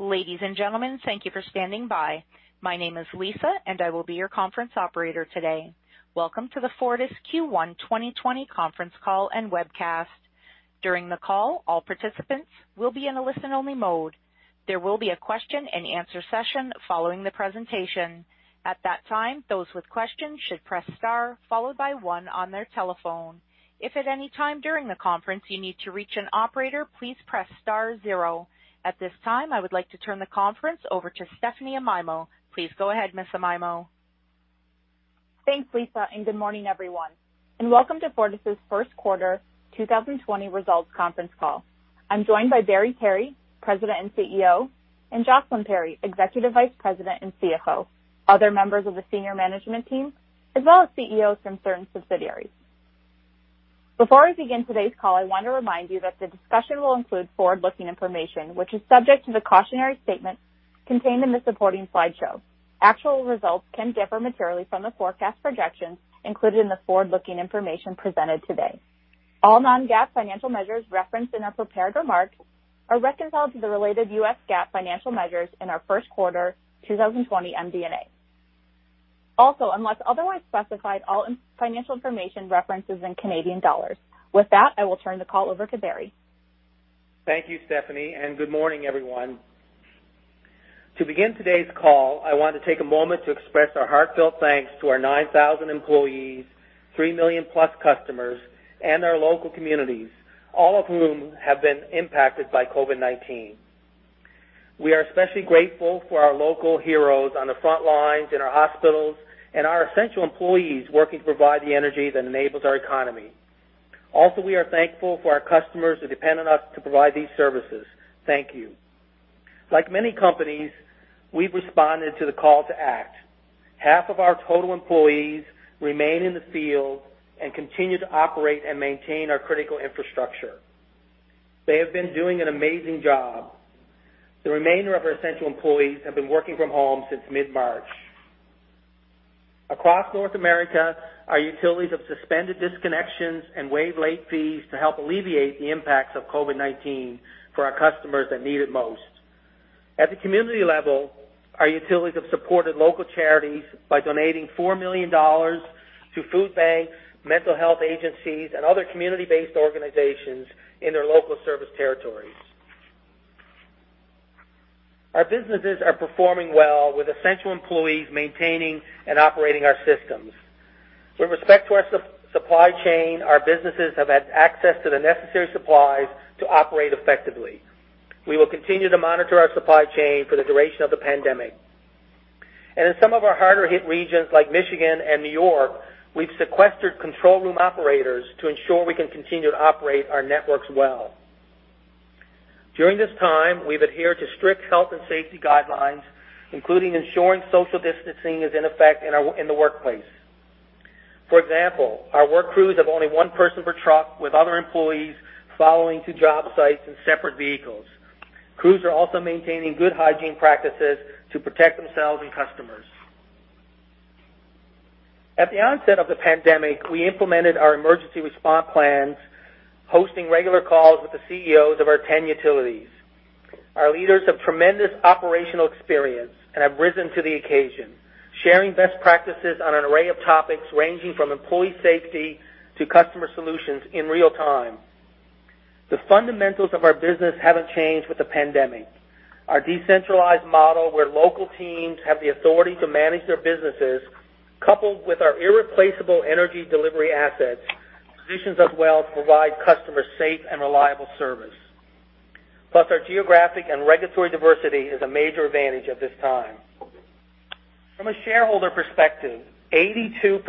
Ladies and gentlemen, thank you for standing by. My name is Lisa, and I will be your conference operator today. Welcome to the Fortis Q1 2020 Conference Call and Webcast. During the call, all participants will be in a listen-only mode. There will be a question-and-answer session following the presentation. At that time, those with questions should press star followed by one on their telephone. If at any time during the conference you need to reach an operator, please press star zero. At this time, I would like to turn the conference over to Stephanie Amaimo. Please go ahead, Ms. Amaimo. Thanks, Lisa. Good morning, everyone. Welcome to Fortis' first quarter 2020 results conference call. I'm joined by Barry Perry, President and CEO, and Jocelyn Perry, Executive Vice President and CFO, other members of the senior management team, as well as CEOs from certain subsidiaries. Before I begin today's call, I want to remind you that the discussion will include forward-looking information, which is subject to the cautionary statements contained in the supporting slideshow. Actual results can differ materially from the forecast projections included in the forward-looking information presented today. All non-GAAP financial measures referenced in our prepared remarks are reconciled to the related U.S. GAAP financial measures in our first quarter 2020 MD&A. Unless otherwise specified, all financial information referenced is in CAD. With that, I will turn the call over to Barry. Thank you, Stephanie. Good morning, everyone. To begin today's call, I want to take a moment to express our heartfelt thanks to our 9,000 employees, 3 million plus customers, and our local communities, all of whom have been impacted by COVID-19. We are especially grateful for our local heroes on the front lines in our hospitals and our essential employees working to provide the energy that enables our economy. We are thankful for our customers who depend on us to provide these services. Thank you. Like many companies, we've responded to the call to act. Half of our total employees remain in the field and continue to operate and maintain our critical infrastructure. They have been doing an amazing job. The remainder of our essential employees have been working from home since mid-March. Across North America, our utilities have suspended disconnections and waived late fees to help alleviate the impacts of COVID-19 for our customers that need it most. At the community level, our utilities have supported local charities by donating 4 million dollars to food banks, mental health agencies, and other community-based organizations in their local service territories. Our businesses are performing well with essential employees maintaining and operating our systems. With respect to our supply chain, our businesses have had access to the necessary supplies to operate effectively. We will continue to monitor our supply chain for the duration of the pandemic. In some of our harder-hit regions like Michigan and New York, we've sequestered control room operators to ensure we can continue to operate our networks well. During this time, we've adhered to strict health and safety guidelines, including ensuring social distancing is in effect in the workplace. For example, our work crews have only one person per truck, with other employees following to job sites in separate vehicles. Crews are also maintaining good hygiene practices to protect themselves and customers. At the onset of the pandemic, we implemented our emergency response plans, hosting regular calls with the CEOs of our 10 utilities. Our leaders have tremendous operational experience and have risen to the occasion, sharing best practices on an array of topics ranging from employee safety to customer solutions in real time. The fundamentals of our business haven't changed with the pandemic. Our decentralized model, where local teams have the authority to manage their businesses, coupled with our irreplaceable energy delivery assets, positions us well to provide customers safe and reliable service. Our geographic and regulatory diversity is a major advantage at this time. From a shareholder perspective, 82%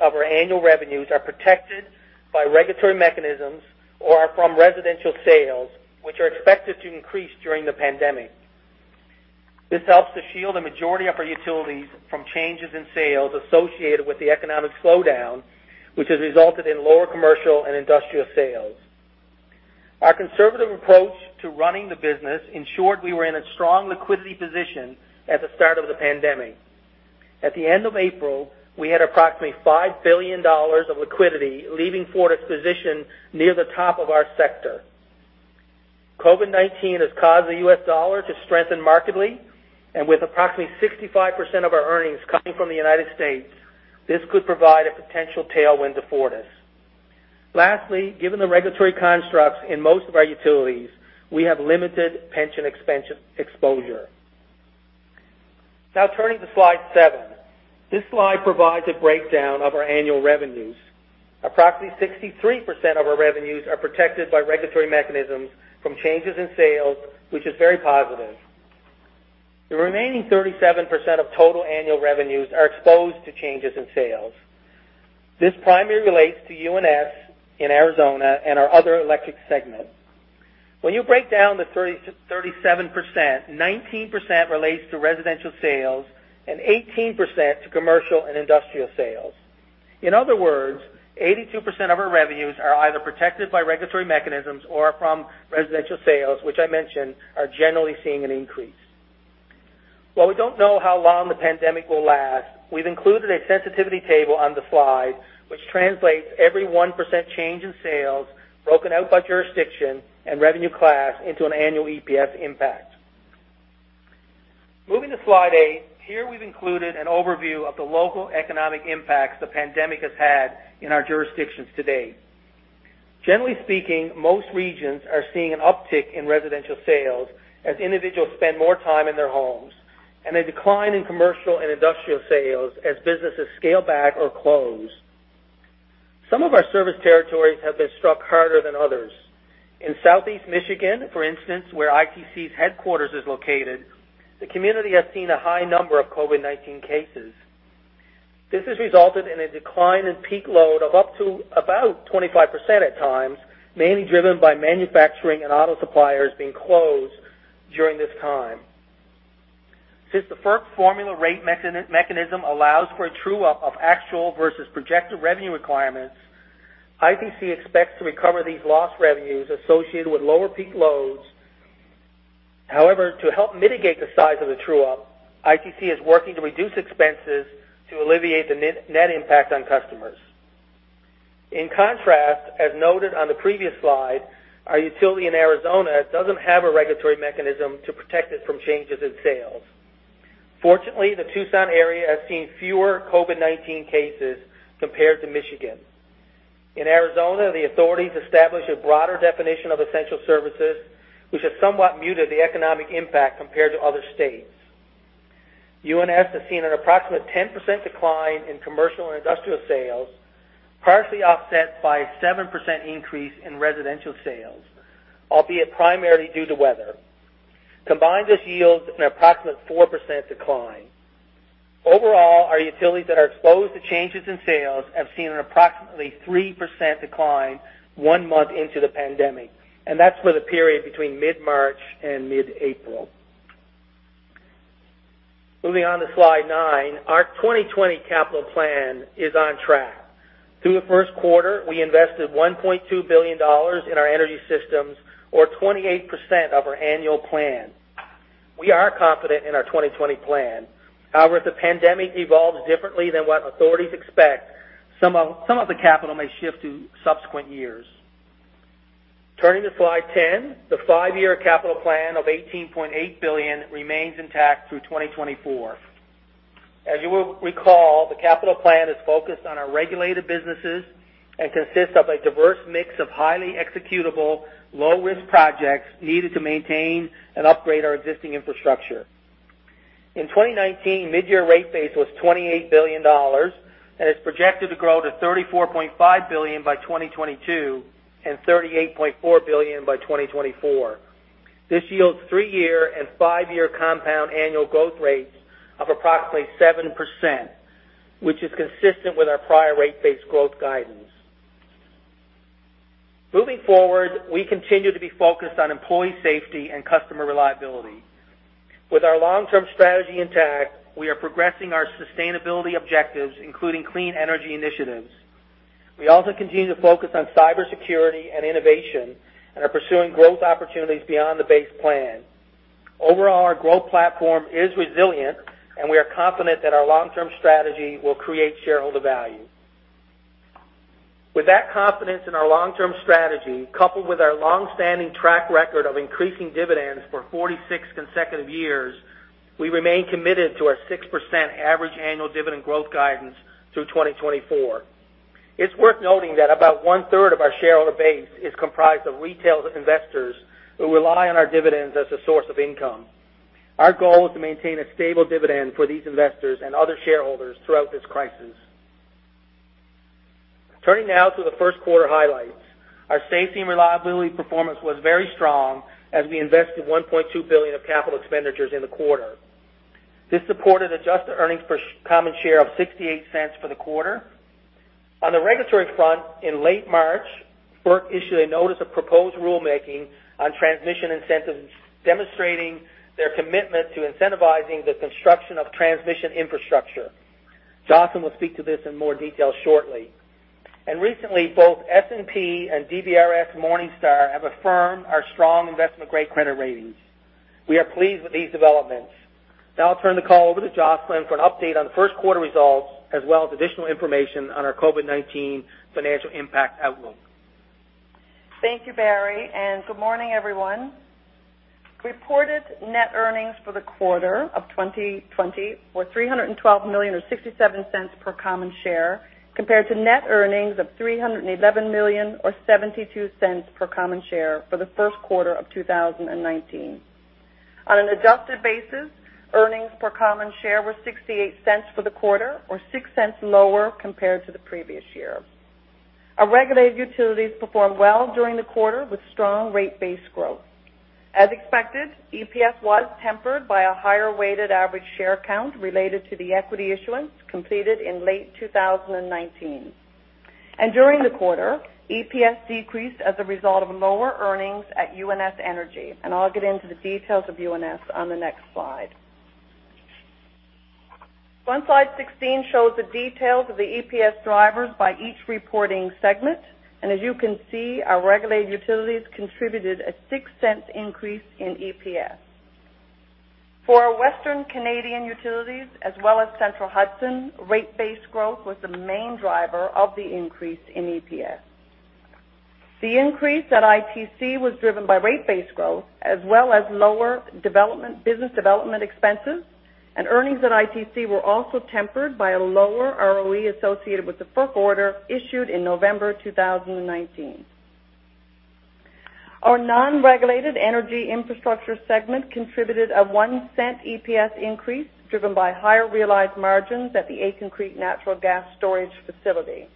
of our annual revenues are protected by regulatory mechanisms or are from residential sales, which are expected to increase during the pandemic. This helps to shield a majority of our utilities from changes in sales associated with the economic slowdown, which has resulted in lower commercial and industrial sales. Our conservative approach to running the business ensured we were in a strong liquidity position at the start of the pandemic. At the end of April, we had approximately 5 billion dollars of liquidity, leaving Fortis positioned near the top of our sector. COVID-19 has caused the U.S. dollar to strengthen markedly, and with approximately 65% of our earnings coming from the U.S., this could provide a potential tailwind to Fortis. Lastly, given the regulatory constructs in most of our utilities, we have limited pension exposure. Now turning to slide seven. This slide provides a breakdown of our annual revenues. Approximately 63% of our revenues are protected by regulatory mechanisms from changes in sales, which is very positive. The remaining 37% of total annual revenues are exposed to changes in sales. This primarily relates to UNS in Arizona and our other electric segment. When you break down the 37%, 19% relates to residential sales and 18% to commercial and industrial sales. In other words, 82% of our revenues are either protected by regulatory mechanisms or are from residential sales, which I mentioned are generally seeing an increase. While we don't know how long the pandemic will last, we've included a sensitivity table on the slide, which translates every 1% change in sales broken out by jurisdiction and revenue class into an annual EPS impact. Moving to slide eight. Here we've included an overview of the local economic impacts the pandemic has had in our jurisdictions to date. Generally speaking, most regions are seeing an uptick in residential sales as individuals spend more time in their homes, and a decline in commercial and industrial sales as businesses scale back or close. Some of our service territories have been struck harder than others. In Southeast Michigan, for instance, where ITC's headquarters is located, the community has seen a high number of COVID-19 cases. This has resulted in a decline in peak load of up to about 25% at times, mainly driven by manufacturing and auto suppliers being closed during this time. Since the FERC formula rate mechanism allows for a true-up of actual versus projected revenue requirements, ITC expects to recover these lost revenues associated with lower peak loads. To help mitigate the size of the true-up, ITC is working to reduce expenses to alleviate the net impact on customers. As noted on the previous slide, our utility in Arizona doesn't have a regulatory mechanism to protect it from changes in sales. The Tucson area has seen fewer COVID-19 cases compared to Michigan. In Arizona, the authorities established a broader definition of essential services, which has somewhat muted the economic impact compared to other states. UNS has seen an approximate 10% decline in commercial and industrial sales, partially offset by a 7% increase in residential sales, albeit primarily due to weather. Combined, this yields an approximate 4% decline. Overall, our utilities that are exposed to changes in sales have seen an approximately 3% decline one month into the pandemic, and that's for the period between mid-March and mid-April. Moving on to slide nine. Our 2020 capital plan is on track. Through the first quarter, we invested 1.2 billion dollars in our energy systems or 28% of our annual plan. We are confident in our 2020 plan. However, if the pandemic evolves differently than what authorities expect, some of the capital may shift to subsequent years. Turning to slide 10. The five-year capital plan of 18.8 billion remains intact through 2024. As you will recall, the capital plan is focused on our regulated businesses and consists of a diverse mix of highly executable, low-risk projects needed to maintain and upgrade our existing infrastructure. In 2019, mid-year rate base was 28 billion dollars and is projected to grow to 34.5 billion by 2022 and 38.4 billion by 2024. This yields three-year and five-year compound annual growth rates of approximately 7%, which is consistent with our prior rate base growth guidance. Moving forward, we continue to be focused on employee safety and customer reliability. With our long-term strategy intact, we are progressing our sustainability objectives, including clean energy initiatives. We also continue to focus on cybersecurity and innovation and are pursuing growth opportunities beyond the base plan. Overall, our growth platform is resilient, and we are confident that our long-term strategy will create shareholder value. With that confidence in our long-term strategy, coupled with our long-standing track record of increasing dividends for 46 consecutive years, we remain committed to our 6% average annual dividend growth guidance through 2024. It's worth noting that about one-third of our shareholder base is comprised of retail investors who rely on our dividends as a source of income. Our goal is to maintain a stable dividend for these investors and other shareholders throughout this crisis. Turning now to the first quarter highlights. Our safety and reliability performance was very strong as we invested 1.2 billion of capital expenditures in the quarter. This supported adjusted earnings per common share of 0.68 for the quarter. On the regulatory front, in late March, FERC issued a notice of proposed rulemaking on transmission incentives, demonstrating their commitment to incentivizing the construction of transmission infrastructure. Jocelyn will speak to this in more detail shortly. Recently, both S&P and DBRS Morningstar have affirmed our strong investment-grade credit ratings. We are pleased with these developments. Now I'll turn the call over to Jocelyn for an update on the first quarter results as well as additional information on our COVID-19 financial impact outlook. Thank you, Barry, and good morning, everyone. Reported net earnings for the quarter of 2020 were 312 million or 0.67 per common share compared to net earnings of 311 million or 0.72 per common share for the first quarter of 2019. On an adjusted basis, earnings per common share were 0.68 for the quarter or 0.06 lower compared to the previous year. Our regulated utilities performed well during the quarter with strong rate base growth. As expected, EPS was tempered by a higher weighted average share count related to the equity issuance completed in late 2019. During the quarter, EPS decreased as a result of lower earnings at UNS Energy, and I'll get into the details of UNS on the next slide. One slide 16 shows the details of the EPS drivers by each reporting segment. As you can see, our regulated utilities contributed a 0.06 increase in EPS. For our Western Canadian Utilities, as well as Central Hudson, rate-based growth was the main driver of the increase in EPS. The increase at ITC was driven by rate-based growth, as well as lower business development expenses. Earnings at ITC were also tempered by a lower ROE associated with the FERC order issued in November 2019. Our non-regulated energy infrastructure segment contributed a 0.01 EPS increase, driven by higher realized margins at the Aitken Creek natural gas storage facility.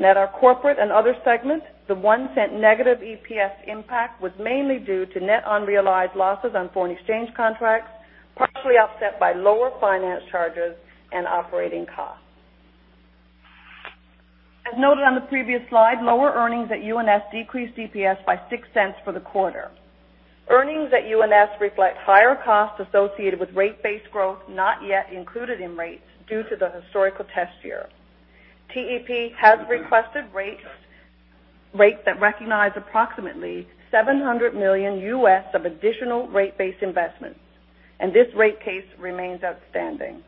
At our corporate and other segments, the CAD 0.01 negative EPS impact was mainly due to net unrealized losses on foreign exchange contracts, partially offset by lower finance charges and operating costs. As noted on the previous slide, lower earnings at UNS decreased EPS by 0.06 for the quarter. Earnings at UNS reflect higher costs associated with rate-based growth not yet included in rates due to the historical test year. TEP has requested rates that recognize approximately $700 million of additional rate-based investments, and this rate case remains outstanding.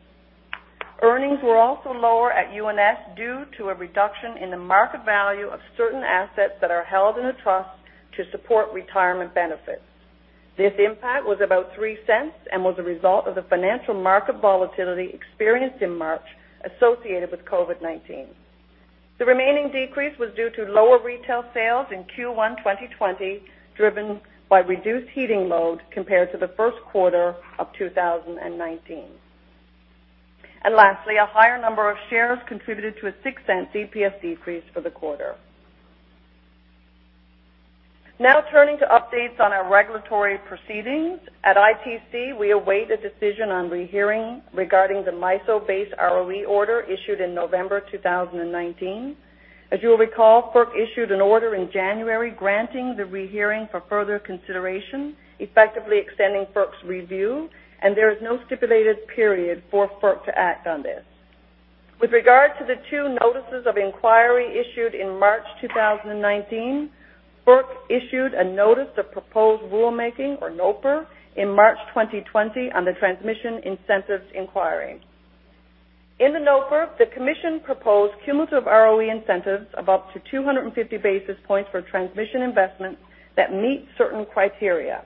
Earnings were also lower at UNS due to a reduction in the market value of certain assets that are held in the trust to support retirement benefits. This impact was about 0.03 and was a result of the financial market volatility experienced in March associated with COVID-19. The remaining decrease was due to lower retail sales in Q1 2020, driven by reduced heating load compared to the first quarter of 2019. Lastly, a higher number of shares contributed to a 0.06 EPS decrease for the quarter. Now turning to updates on our regulatory proceedings. At ITC, we await a decision on rehearing regarding the MISO-based ROE order issued in November 2019. As you will recall, FERC issued an order in January granting the rehearing for further consideration, effectively extending FERC's review, and there is no stipulated period for FERC to act on this. With regard to the two notices of inquiry issued in March 2019, FERC issued a notice of proposed rulemaking, or NOPR, in March 2020 on the transmission incentives inquiry. In the NOPR, the commission proposed cumulative ROE incentives of up to 250 basis points for transmission investments that meet certain criteria.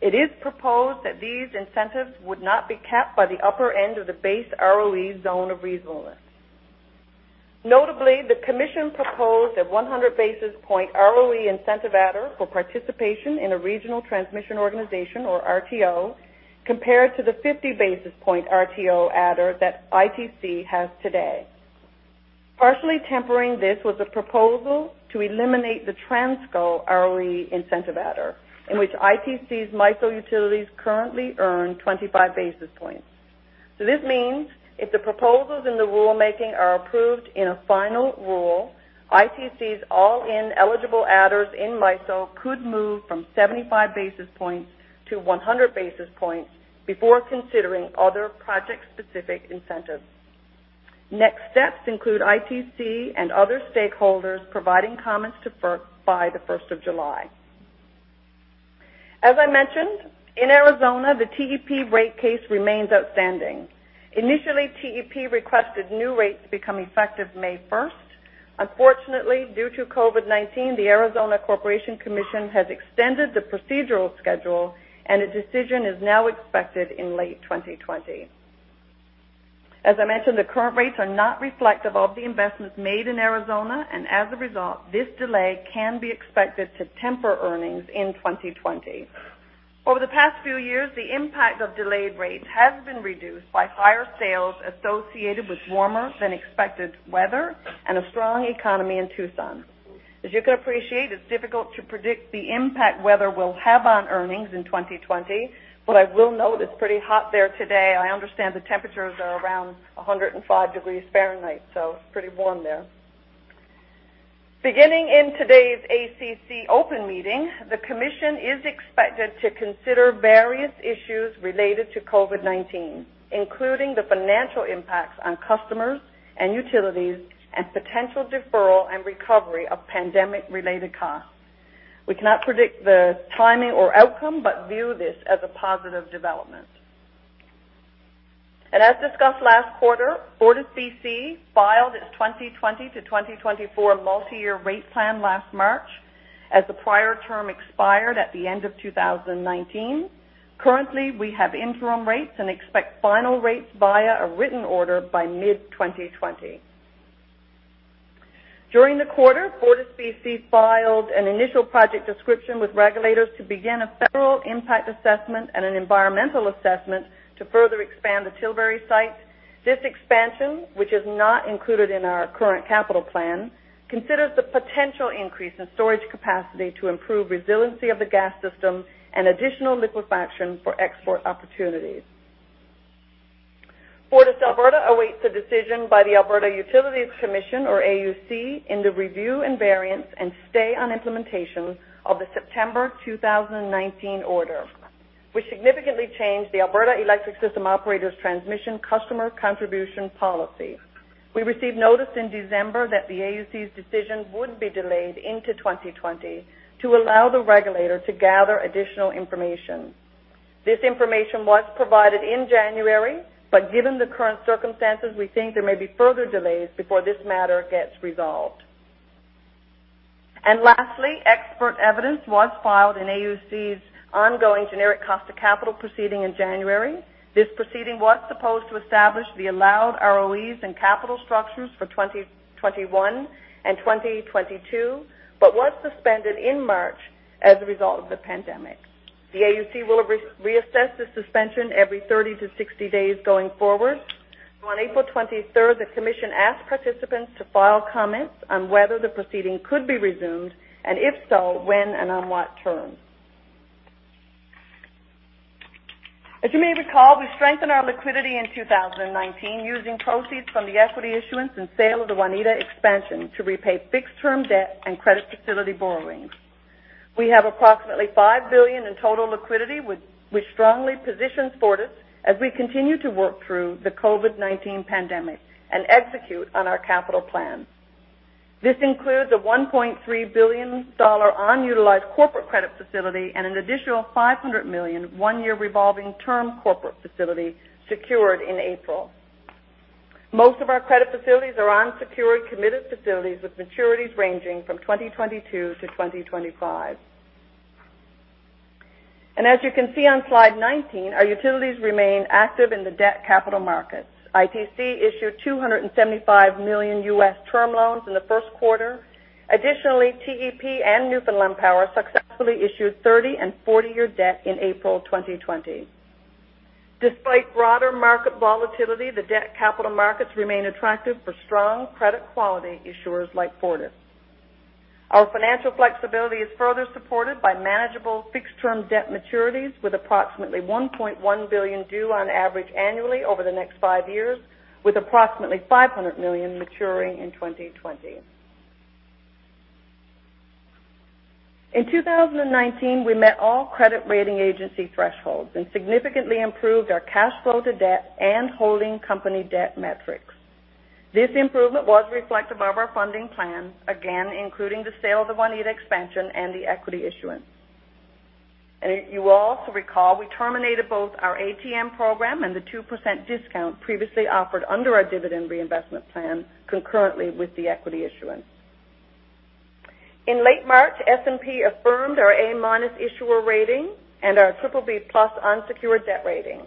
It is proposed that these incentives would not be capped by the upper end of the base ROE zone of reasonableness. Notably, the commission proposed a 100-basis-point ROE incentive adder for participation in a regional transmission organization or RTO, compared to the 50-basis-point RTO adder that ITC has today. Partially tempering this was a proposal to eliminate the Transco ROE incentive adder, in which ITC's MISO utilities currently earn 25 basis points. This means if the proposals in the rulemaking are approved in a final rule, ITC's all-in eligible adders in MISO could move from 75 basis points to 100 basis points before considering other project-specific incentives. Next steps include ITC and other stakeholders providing comments to FERC by the 1st of July. As I mentioned, in Arizona, the TEP rate case remains outstanding. Initially, TEP requested new rates to become effective May 1st. Unfortunately, due to COVID-19, the Arizona Corporation Commission has extended the procedural schedule, and a decision is now expected in late 2020. As I mentioned, the current rates are not reflective of the investments made in Arizona, and as a result, this delay can be expected to temper earnings in 2020. Over the past few years, the impact of delayed rates has been reduced by higher sales associated with warmer-than-expected weather and a strong economy in Tucson. As you can appreciate, it's difficult to predict the impact weather will have on earnings in 2020. What I will note, it's pretty hot there today. I understand the temperatures are around 105 degrees Fahrenheit, it's pretty warm there. Beginning in today's ACC open meeting, the commission is expected to consider various issues related to COVID-19, including the financial impacts on customers and utilities and potential deferral and recovery of pandemic-related costs. We cannot predict the timing or outcome but view this as a positive development. As discussed last quarter, FortisBC filed its 2020 to 2024 multi-year rate plan last March as the prior term expired at the end of 2019. Currently, we have interim rates and expect final rates via a written order by mid-2020. During the quarter, FortisBC filed an initial project description with regulators to begin a federal impact assessment and an environmental assessment to further expand the Tilbury site. This expansion, which is not included in our current capital plan, considers the potential increase in storage capacity to improve resiliency of the gas system and additional liquefaction for export opportunities. FortisAlberta awaits a decision by the Alberta Utilities Commission, or AUC, in the review and variance and stay on implementation of the September 2019 order, which significantly changed the Alberta Electric System Operator's transmission customer contribution policy. We received notice in December that the AUC's decision would be delayed into 2020 to allow the regulator to gather additional information. This information was provided in January, but given the current circumstances, we think there may be further delays before this matter gets resolved. Lastly, expert evidence was filed in AUC's ongoing generic cost of capital proceeding in January. This proceeding was supposed to establish the allowed ROEs and capital structures for 2021 and 2022, but was suspended in March as a result of the pandemic. The AUC will reassess the suspension every 30 to 60 days going forward. On April 23rd, the commission asked participants to file comments on whether the proceeding could be resumed, and if so, when and on what terms. As you may recall, we strengthened our liquidity in 2019 using proceeds from the equity issuance and sale of the Waneta expansion to repay fixed-term debt and credit facility borrowings. We have approximately 5 billion in total liquidity, which strongly positions Fortis as we continue to work through the COVID-19 pandemic and execute on our capital plans. This includes a 1.3 billion dollar unutilized corporate credit facility and an additional 500 million one-year revolving term corporate facility secured in April. Most of our credit facilities are unsecured, committed facilities with maturities ranging from 2022 to 2025. As you can see on slide 19, our utilities remain active in the debt capital markets. ITC issued $275 million term loans in the first quarter. Additionally, TEP and Newfoundland Power successfully issued 30- and 40-year debt in April 2020. Despite broader market volatility, the debt capital markets remain attractive for strong credit quality issuers like Fortis. Our financial flexibility is further supported by manageable fixed-term debt maturities, with approximately 1.1 billion due on average annually over the next five years, with approximately 500 million maturing in 2020. In 2019, we met all credit rating agency thresholds and significantly improved our cash flow to debt and holding company debt metrics. This improvement was reflective of our funding plan, again, including the sale of the Waneta expansion and the equity issuance. You will also recall, we terminated both our ATM program and the 2% discount previously offered under our dividend reinvestment plan concurrently with the equity issuance. In late March, S&P affirmed our A- issuer rating and our BBB+ unsecured debt rating.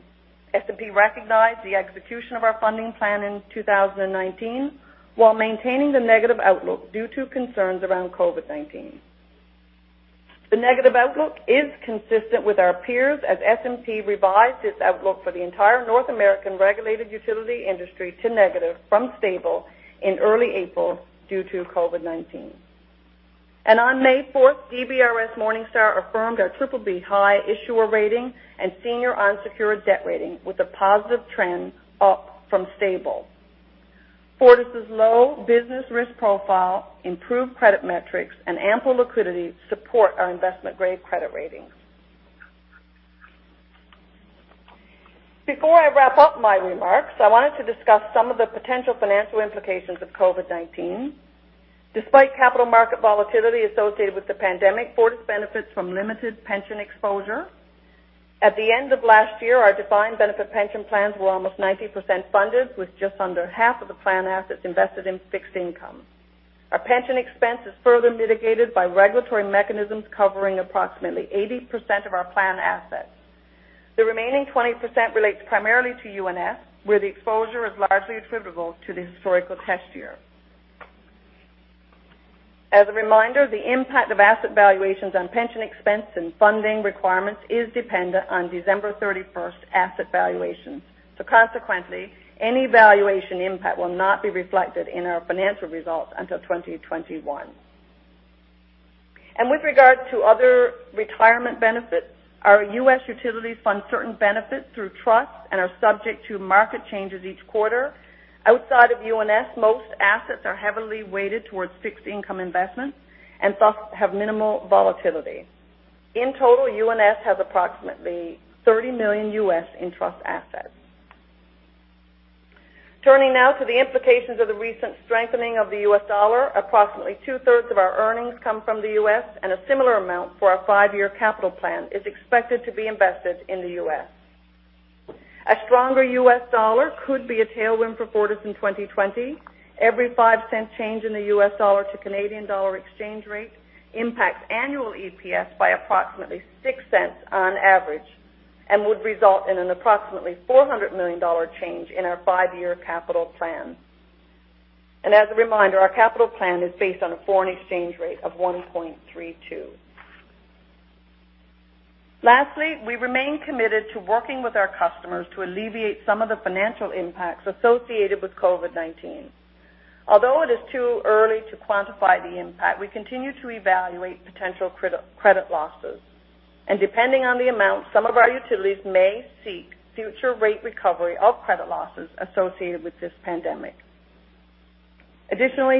S&P recognized the execution of our funding plan in 2019 while maintaining the negative outlook due to concerns around COVID-19. The negative outlook is consistent with our peers as S&P revised its outlook for the entire North American regulated utility industry to negative from stable in early April due to COVID-19. On May 4th, DBRS Morningstar affirmed our BBB high issuer rating and senior unsecured debt rating with a positive trend up from stable. Fortis' low business risk profile, improved credit metrics, and ample liquidity support our investment-grade credit rating. Before I wrap up my remarks, I wanted to discuss some of the potential financial implications of COVID-19. Despite capital market volatility associated with the pandemic, Fortis benefits from limited pension exposure. At the end of last year, our defined benefit pension plans were almost 90% funded, with just under half of the plan assets invested in fixed income. Our pension expense is further mitigated by regulatory mechanisms covering approximately 80% of our plan assets. The remaining 20% relates primarily to UNS, where the exposure is largely attributable to the historical test year. As a reminder, the impact of asset valuations on pension expense and funding requirements is dependent on December 31st asset valuations. Consequently, any valuation impact will not be reflected in our financial results until 2021. With regards to other retirement benefits, our U.S. utilities fund certain benefits through trusts and are subject to market changes each quarter. Outside of UNS, most assets are heavily weighted towards fixed income investments and thus have minimal volatility. In total, UNS has approximately $30 million in trust assets. Turning now to the implications of the recent strengthening of the U.S. dollar, approximately 2/3 of our earnings come from the U.S., and a similar amount for our five-year capital plan is expected to be invested in the U.S. A stronger U.S. dollar could be a tailwind for Fortis in 2020. Every 0.05 change in the U.S. dollar to Canadian dollar exchange rate impacts annual EPS by approximately 0.06 on average and would result in an approximately 400 million dollar change in our five-year capital plan. As a reminder, our capital plan is based on a foreign exchange rate of 1.32. Lastly, we remain committed to working with our customers to alleviate some of the financial impacts associated with COVID-19. Although it is too early to quantify the impact, we continue to evaluate potential credit losses, and depending on the amount, some of our utilities may seek future rate recovery of credit losses associated with this pandemic.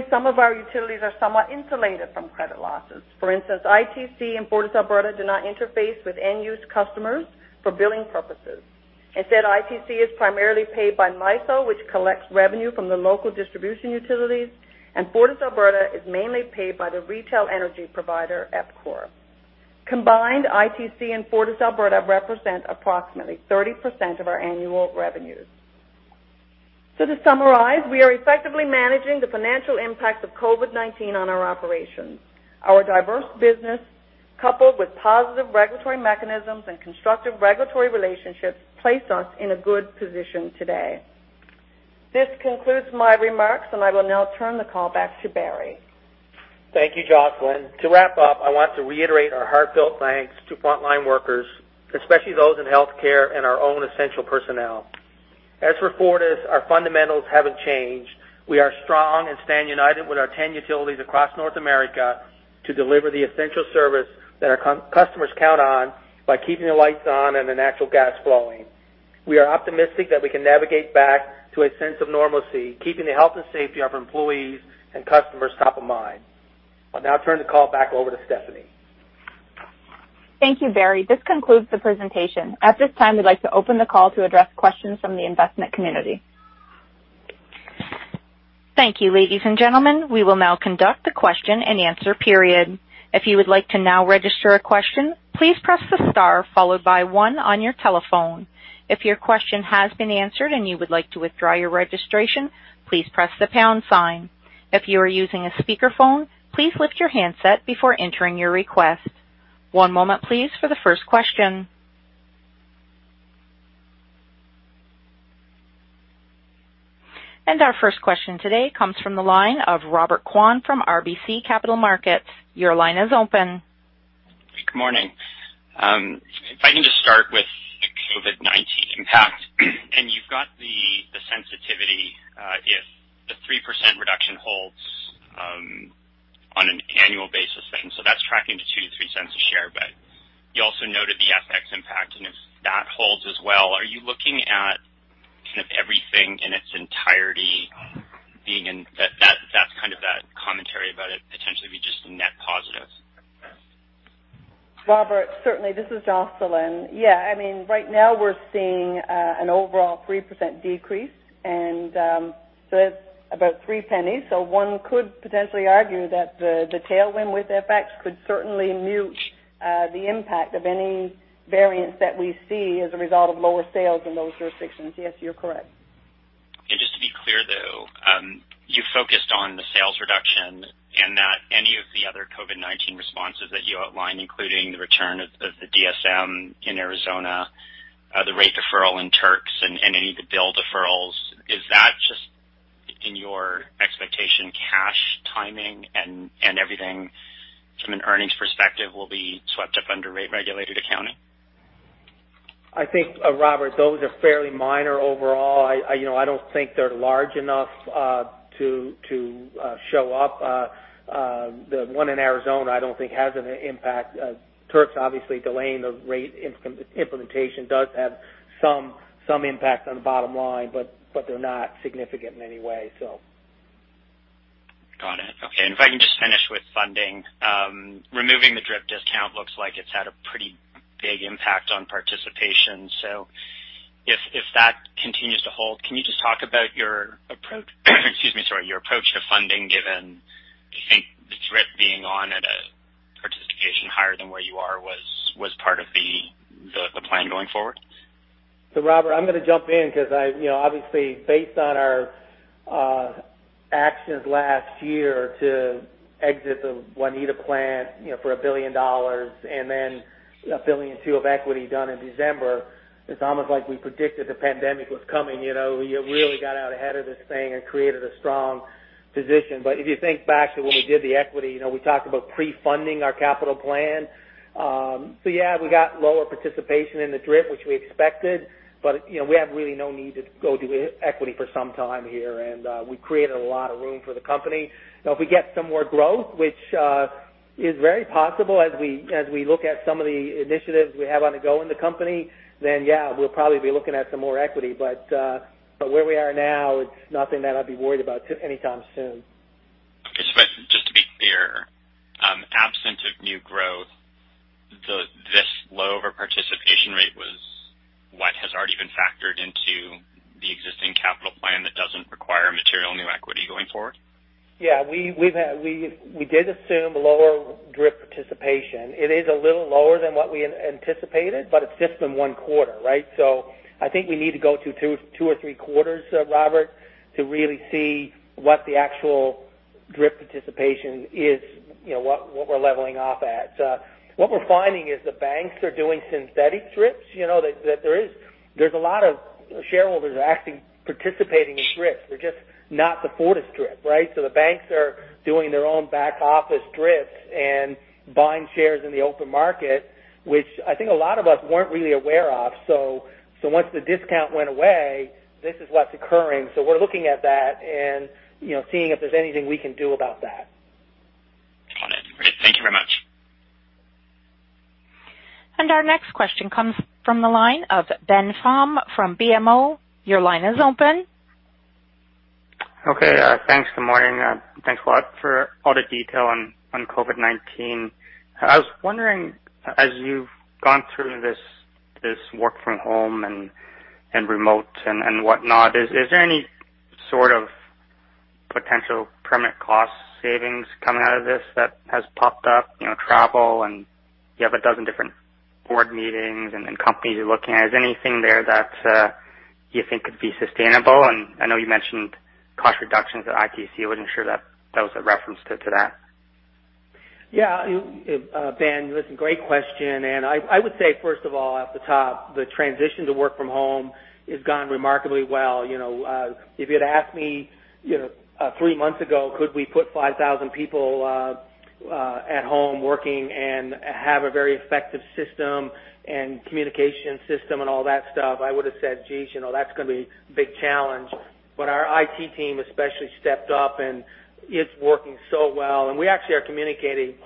Some of our utilities are somewhat insulated from credit losses. For instance, ITC and FortisAlberta do not interface with end-use customers for billing purposes. Instead, ITC is primarily paid by MISO, which collects revenue from the local distribution utilities, and FortisAlberta is mainly paid by the retail energy provider, EPCOR. Combined, ITC and FortisAlberta represent approximately 30% of our annual revenues. To summarize, we are effectively managing the financial impact of COVID-19 on our operations. Our diverse business, coupled with positive regulatory mechanisms and constructive regulatory relationships, place us in a good position today. This concludes my remarks, and I will now turn the call back to Barry. Thank you, Jocelyn. To wrap up, I want to reiterate our heartfelt thanks to frontline workers, especially those in healthcare and our own essential personnel. As for Fortis, our fundamentals haven't changed. We are strong and stand united with our 10 utilities across North America to deliver the essential service that our customers count on by keeping the lights on and the natural gas flowing. We are optimistic that we can navigate back to a sense of normalcy, keeping the health and safety of our employees and customers top of mind. I'll now turn the call back over to Stephanie. Thank you, Barry. This concludes the presentation. At this time, we'd like to open the call to address questions from the investment community. Thank you, ladies and gentlemen. We will now conduct the question and answer period. If you would like to now register a question, please press the star followed by one on your telephone. If your question has been answered and you would like to withdraw your registration, please press the pound sign. If you are using a speakerphone, please lift your handset before entering your request. One moment, please, for the first question. Our first question today comes from the line of Robert Kwan from RBC Capital Markets. Your line is open. Good morning. If I can just start with the COVID-19 impact, you've got the sensitivity if the 3% reduction holds on an annual basis, that's tracking to 0.02-0.03 a share. You also noted the FX impact, if that holds as well, are you looking at kind of everything in its entirety that's kind of that commentary about it potentially be just a net positive? Robert, certainly. This is Jocelyn. Yeah. Right now, we're seeing an overall 3% decrease, that's about 0.03. One could potentially argue that the tailwind with FX could certainly mute the impact of any variance that we see as a result of lower sales in those jurisdictions. Yes, you're correct. Just to be clear, though, you focused on the sales reduction and not any of the other COVID-19 responses that you outlined, including the return of the DSM in Arizona, the rate deferral in Turks, and any of the bill deferrals. Is that just in your expectation, cash timing, and everything from an earnings perspective will be swept up under rate-regulated accounting? I think, Robert, those are fairly minor overall. I don't think they're large enough to show up. The one in Arizona, I don't think has an impact. Turks, obviously, delaying the rate implementation does have some impact on the bottom line, but they're not significant in any way, so. Got it. Okay. If I can just finish with funding. Removing the DRIP discount looks like it's had a pretty big impact on participation. If that continues to hold, can you just talk about your approach to funding, given, do you think the DRIP being on at a participation higher than where you are was part of the plan going forward? Robert, I'm going to jump in because, obviously, based on our actions last year to exit the Waneta plant for 1 billion dollars and then 1.2 billion of equity done in December, it's almost like we predicted the pandemic was coming. We really got out ahead of this thing and created a strong position. If you think back to when we did the equity, we talked about pre-funding our capital plan. Yeah, we got lower participation in the DRIP, which we expected, but we have really no need to go do equity for some time here. We created a lot of room for the company. If we get some more growth, which is very possible as we look at some of the initiatives we have on the go in the company, then yeah, we'll probably be looking at some more equity. Where we are now, it's nothing that I'd be worried about anytime soon. Okay. Just to be clear, absent of new growth, this lower participation rate was what has already been factored into the existing capital plan that doesn't require material new equity going forward? Yeah. We did assume lower DRIP participation. It is a little lower than what we anticipated, it's just in one quarter, right? I think we need to go to two or three quarters, Robert, to really see what the actual DRIP participation is, what we're leveling off at. What we're finding is the banks are doing synthetic DRIPs. There's a lot of shareholders actually participating in DRIPs. They're just not the Fortis DRIP, right? The banks are doing their own back-office DRIPs and buying shares in the open market, which I think a lot of us weren't really aware of. Once the discount went away, this is what's occurring. We're looking at that and seeing if there's anything we can do about that. Alright. Thank you very much. Our next question comes from the line of Ben Pham from BMO. Your line is open. Okay. Thanks. Good morning. Thanks a lot for all the detail on COVID-19. I was wondering, as you've gone through this work from home and remote and whatnot, is there any sort of potential permanent cost savings coming out of this that has popped up? Travel. You have a dozen different board meetings and companies you're looking at. Is there anything there that you think could be sustainable? I know you mentioned cost reductions at ITC. I wasn't sure if that was a reference to that. Yeah. Ben, listen, great question. I would say, first of all, off the top, the transition to work from home has gone remarkably well. If you'd asked me three months ago, could we put 5,000 people at home working and have a very effective system and communication system and all that stuff, I would have said, "Jeez, that's going to be a big challenge." Our IT team especially stepped up, it's working so well. We actually are communicating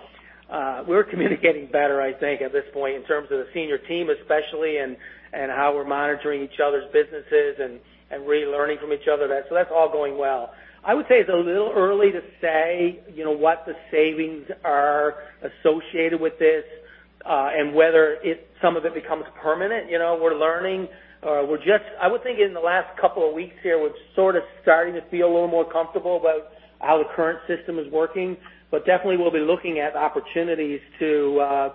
better, I think, at this point in terms of the senior team especially, and how we're monitoring each other's businesses and really learning from each other. That's all going well. I would say it's a little early to say what the savings are associated with this, and whether some of it becomes permanent. We're learning. I would think in the last couple of weeks here, we're sort of starting to feel a little more comfortable about how the current system is working. Definitely we'll be looking at opportunities to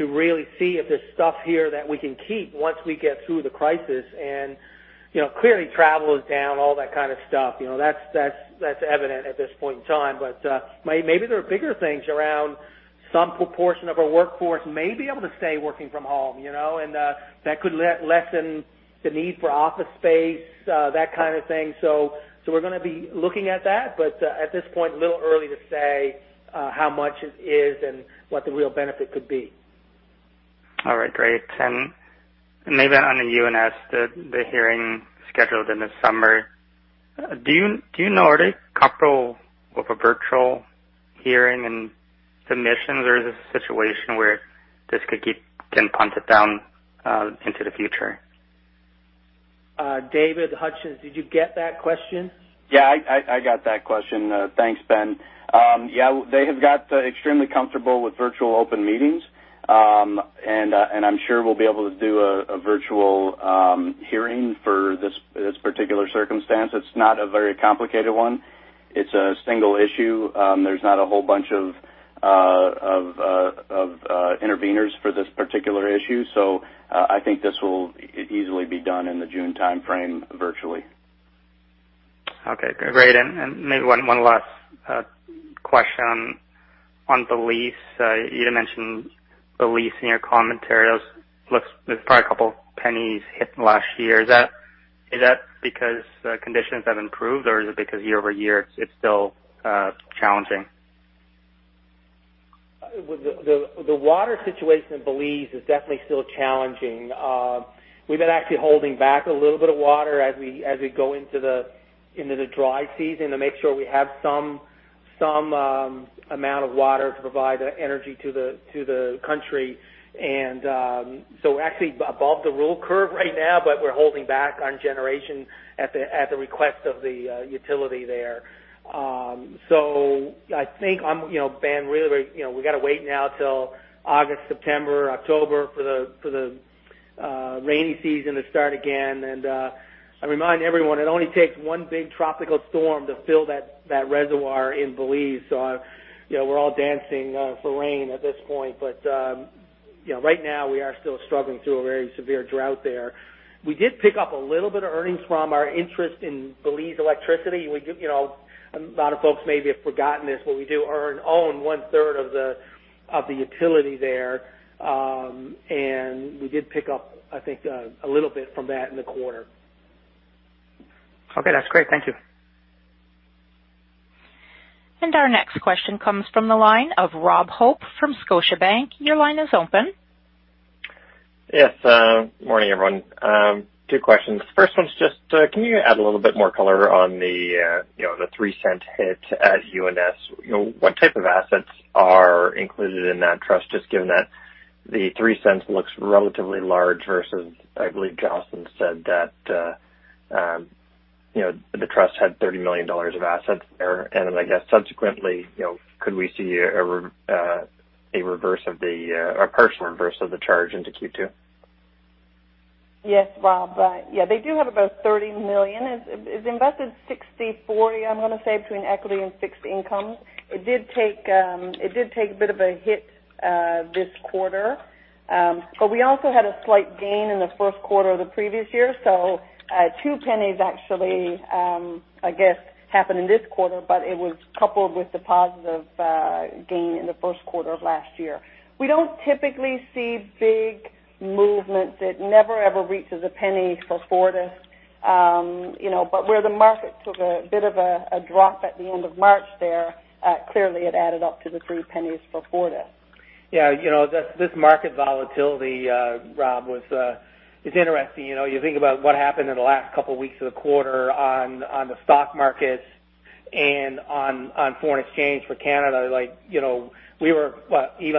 really see if there's stuff here that we can keep once we get through the crisis. Clearly, travel is down, all that kind of stuff. That's evident at this point in time. Maybe there are bigger things around. Some proportion of our workforce may be able to stay working from home, and that could lessen the need for office space, that kind of thing. We're going to be looking at that. At this point, a little early to say how much it is and what the real benefit could be. All right, great. Maybe on the UNS, the hearing scheduled in the summer, do you know, are they comfortable with a virtual hearing and submissions, or is this a situation where this could get punted down into the future? David Hutchens, did you get that question? Yeah, I got that question. Thanks, Ben. Yeah, they have got extremely comfortable with virtual open meetings. I'm sure we'll be able to do a virtual hearing for this particular circumstance. It's not a very complicated one. It's a single issue. There's not a whole bunch of interveners for this particular issue. I think this will easily be done in the June timeframe, virtually. Okay, great. Maybe one last question on Belize. You had mentioned Belize in your commentary. There's probably a couple pennies hit last year. Is that because conditions have improved, or is it because year-over-year, it's still challenging? The water situation in Belize is definitely still challenging. We've been actually holding back a little bit of water as we go into the dry season to make sure we have some amount of water to provide energy to the country. We're actually above the rule curve right now, but we're holding back on generation at the request of the utility there. I think, Ben, really, we got to wait now till August, September, October for the rainy season to start again. I remind everyone, it only takes one big tropical storm to fill that reservoir in Belize. We're all dancing for rain at this point. Right now, we are still struggling through a very severe drought there. We did pick up a little bit of earnings from our interest in Belize Electricity. We do own 1/3 of the utility there. We did pick up, I think, a little bit from that in the quarter. Okay, that's great. Thank you. Our next question comes from the line of Rob Hope from Scotiabank. Your line is open. Yes. Morning, everyone. Two questions. First one's just, can you add a little bit more color on the 0.03 hit at UNS? What type of assets are included in that trust, just given that the 0.03 looks relatively large versus, I believe Jocelyn said that the trust had 30 million dollars of assets there. I guess subsequently, could we see a partial reverse of the charge into Q2? Yes, Rob. Yeah, they do have about 30 million. It's invested 60/40, I'm going to say, between equity and fixed income. It did take a bit of a hit this quarter. We also had a slight gain in the first quarter of the previous year. 0.02 actually, I guess, happened in this quarter, but it was coupled with the positive gain in the first quarter of last year. We don't typically see big movements. It never, ever reaches a penny for Fortis. Where the market took a bit of a drop at the end of March there, clearly it added up to the 0.03 for Fortis. This market volatility, Rob, is interesting. You think about what happened in the last couple of weeks of the quarter on the stock markets. On foreign exchange for Canada, even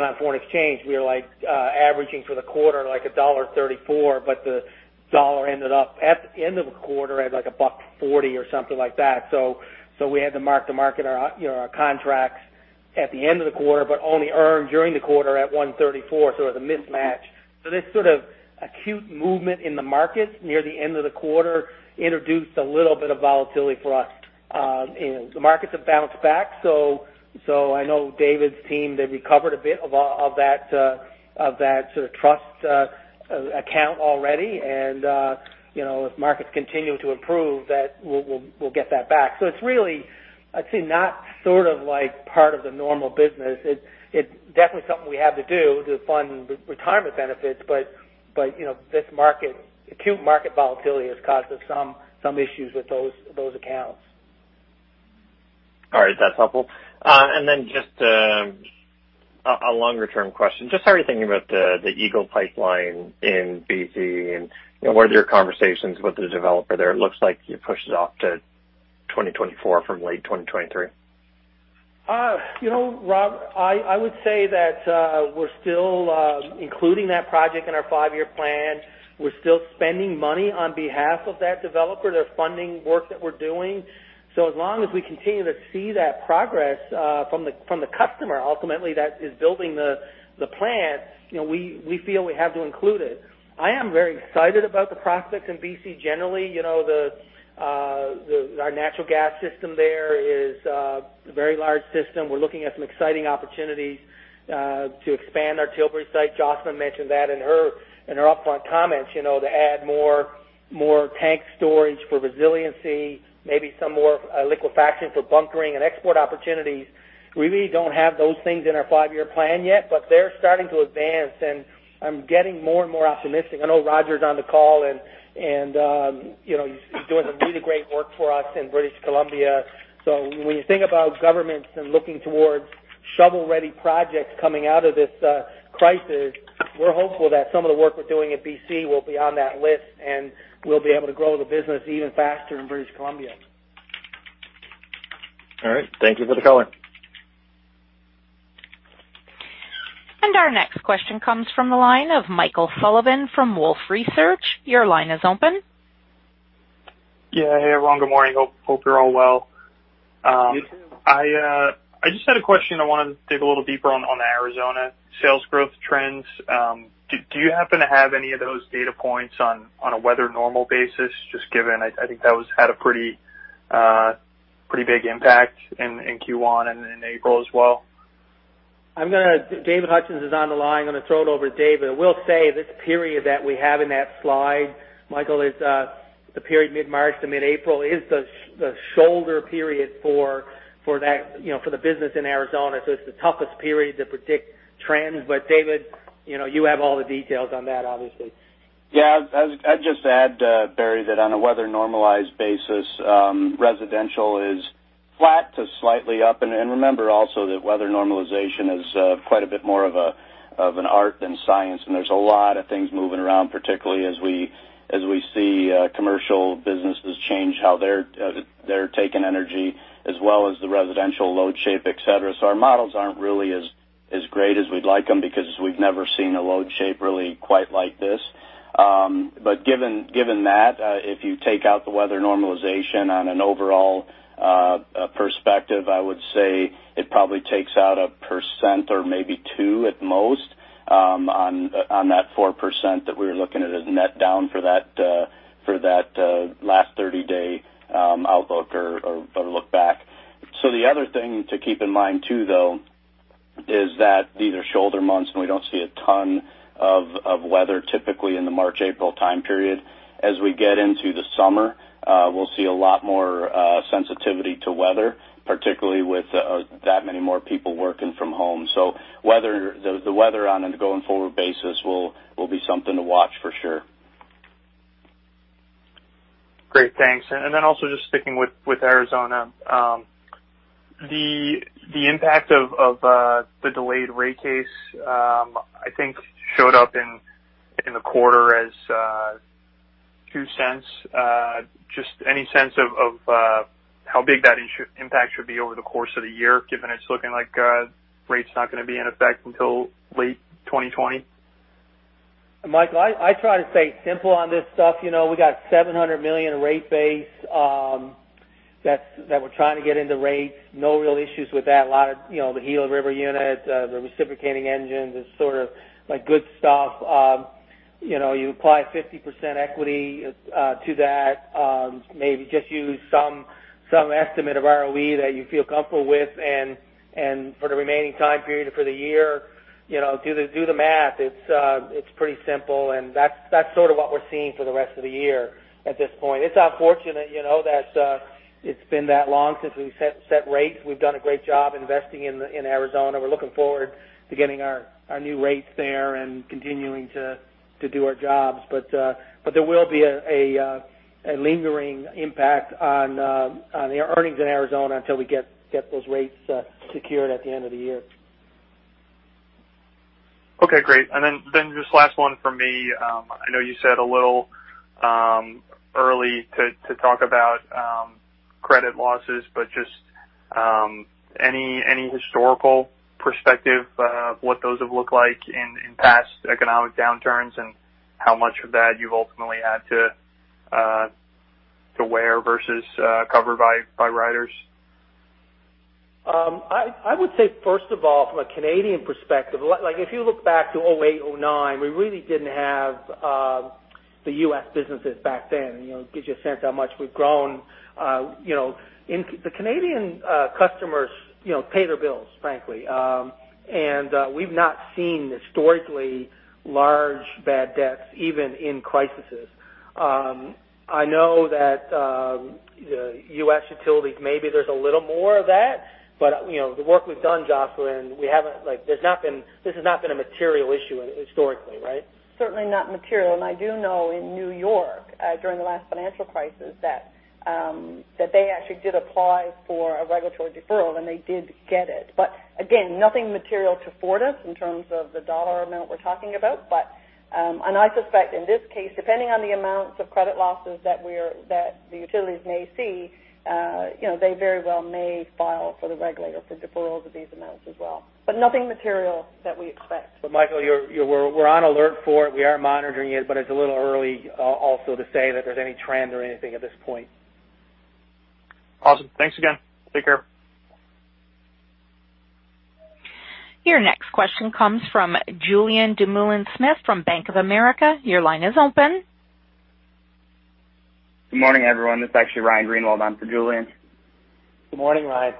on foreign exchange, we were averaging for the quarter, like dollar 1.34, but the dollar ended up at the end of the quarter at like 1.40 or something like that. We had to mark-to-market our contracts at the end of the quarter, but only earn during the quarter at 1.34. It was a mismatch. This sort of acute movement in the markets near the end of the quarter introduced a little bit of volatility for us. The markets have bounced back. I know David's team, they've recovered a bit of that sort of trust account already. If markets continue to improve, we'll get that back. It's really, I'd say, not sort of part of the normal business. It's definitely something we have to do to fund retirement benefits, but this acute market volatility has caused us some issues with those accounts. All right. That's helpful. Just a longer-term question. Just how are you thinking about the Eagle Pipeline in B.C., and what are your conversations with the developer there? It looks like you pushed it off to 2024 from late 2023. Rob, I would say that we're still including that project in our five-year plan. We're still spending money on behalf of that developer. They're funding work that we're doing. As long as we continue to see that progress from the customer, ultimately, that is building the plant, we feel we have to include it. I am very excited about the prospects in B.C. Generally. Our natural gas system there is a very large system. We're looking at some exciting opportunities to expand our Tilbury site. Jocelyn mentioned that in her upfront comments, to add more tank storage for resiliency, maybe some more liquefaction for bunkering and export opportunities. We really don't have those things in our five-year plan yet, but they're starting to advance, and I'm getting more and more optimistic. I know Roger's on the call, and he's doing really great work for us in British Columbia. When you think about governments and looking towards shovel-ready projects coming out of this crisis, we're hopeful that some of the work we're doing in B.C. will be on that list, and we'll be able to grow the business even faster in British Columbia. All right. Thank you for the color. Our next question comes from the line of Michael Sullivan from Wolfe Research. Your line is open. Yeah. Hey, everyone. Good morning. Hope you're all well. You, too. I just had a question. I wanted to dig a little deeper on the Arizona sales growth trends. Do you happen to have any of those data points on a weather normal basis? Just given, I think that had a pretty big impact in Q1 and in April as well. David Hutchens is on the line. I'm going to throw it over to David. I will say this period that we have in that slide, Michael, is the period mid-March to mid-April is the shoulder period for the business in Arizona. It's the toughest period to predict trends. David, you have all the details on that, obviously. Yeah. I'd just add, Barry, that on a weather-normalized basis, residential is flat to slightly up. Remember also that weather normalization is quite a bit more of an art than science, and there's a lot of things moving around, particularly as we see commercial businesses change how they're taking energy, as well as the residential load shape, et cetera. Our models aren't really as great as we'd like them because we've never seen a load shape really quite like this. Given that, if you take out the weather normalization on an overall perspective, I would say it probably takes out 1% or maybe 2% at most on that 4% that we were looking at as net down for that last 30-day outlook or look back. The other thing to keep in mind, too, though, is that these are shoulder months, and we don't see a ton of weather typically in the March-April time period. As we get into the summer, we'll see a lot more sensitivity to weather, particularly with that many more people working from home. The weather on a going-forward basis will be something to watch for sure. Great, thanks. Also just sticking with Arizona. The impact of the delayed rate case, I think, showed up in the quarter as 0.02. Just any sense of how big that impact should be over the course of the year, given it's looking like the rate's not going to be in effect until late 2020? Michael, I try to stay simple on this stuff. We got 700 million rate base that we're trying to get into rates. No real issues with that. A lot of the Gila River unit, the reciprocating engines is sort of good stuff. You apply 50% equity to that. Maybe just use some estimate of ROE that you feel comfortable with. For the remaining time period for the year, do the math. It's pretty simple. That's sort of what we're seeing for the rest of the year at this point. It's unfortunate that it's been that long since we set rates. We've done a great job investing in Arizona. We're looking forward to getting our new rates there and continuing to do our jobs. There will be a lingering impact on the earnings in Arizona until we get those rates secured at the end of the year. Okay, great. Just last one from me. I know you said a little early to talk about credit losses, but just any historical perspective of what those have looked like in past economic downturns and how much of that you've ultimately had to wear versus covered by riders? I would say, first of all, from a Canadian perspective, if you look back to 2008, 2009, we really didn't have the U.S. businesses back then. It gives you a sense how much we've grown. The Canadian customers pay their bills, frankly. We've not seen historically large bad debts, even in crises. I know that U.S. utilities, maybe there's a little more of that. The work we've done, Jocelyn, this has not been a material issue historically, right? Certainly not material. I do know in New York, during the last financial crisis, that they actually did apply for a regulatory deferral, and they did get it. Again, nothing material to Fortis in terms of the dollar amount we're talking about. I suspect in this case, depending on the amounts of credit losses that the utilities may see, they very well may file for the regulator for deferrals of these amounts as well. Nothing material that we expect. Michael, we're on alert for it. We are monitoring it, but it's a little early also to say that there's any trend or anything at this point. Awesome. Thanks again. Take care. Your next question comes from Julien Dumoulin-Smith from Bank of America. Your line is open. Good morning, everyone. This is actually Ryan Greenwald on for Julien. Good morning, Ryan.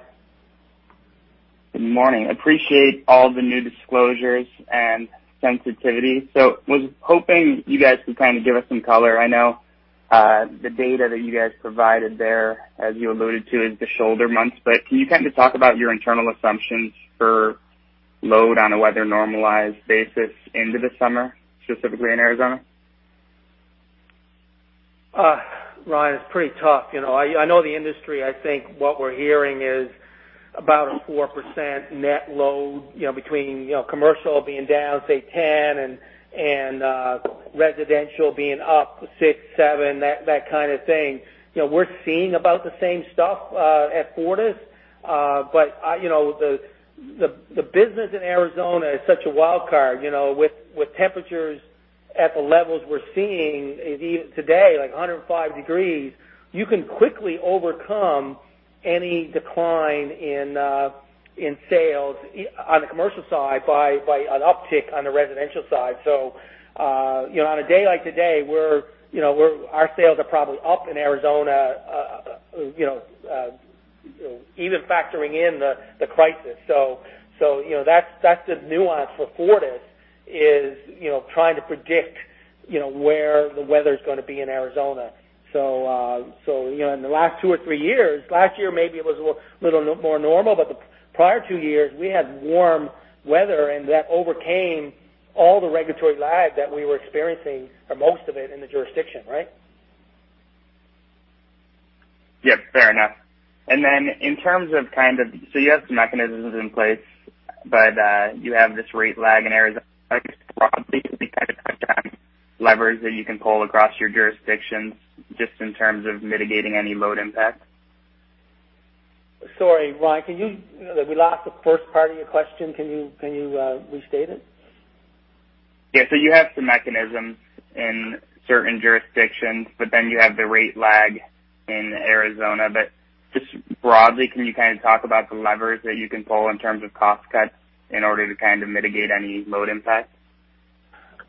Good morning. Appreciate all the new disclosures and sensitivity. Was hoping you guys could kind of give us some color. I know the data that you guys provided there, as you alluded to, is the shoulder months. Can you kind of talk about your internal assumptions for load on a weather-normalized basis into the summer, specifically in Arizona? Ryan, it's pretty tough. I know the industry. I think what we're hearing is about a 4% net load, between commercial being down, say 10% and residential being up 6%, 7%, that kind of thing. We're seeing about the same stuff at Fortis. The business in Arizona is such a wild card. With temperatures at the levels we're seeing even today, like 105 degrees, you can quickly overcome any decline in sales on the commercial side by an uptick on the residential side. On a day like today, our sales are probably up in Arizona, even factoring in the crisis. That's the nuance for Fortis, is trying to predict where the weather's going to be in Arizona. In the last two or three years, last year, maybe it was a little more normal, but the prior two years, we had warm weather, and that overcame all the regulatory lag that we were experiencing, or most of it, in the jurisdiction, right? Yep, fair enough. Then in terms of so you have some mechanisms in place, but you have this rate lag in Arizona, probably any kind of cut-down leverage that you can pull across your jurisdictions just in terms of mitigating any load impact? Sorry, Ryan, we lost the first part of your question. Can you restate it? Yeah. You have some mechanisms in certain jurisdictions, but then you have the rate lag in Arizona. Just broadly, can you kind of talk about the levers that you can pull in terms of cost cuts in order to kind of mitigate any load impact?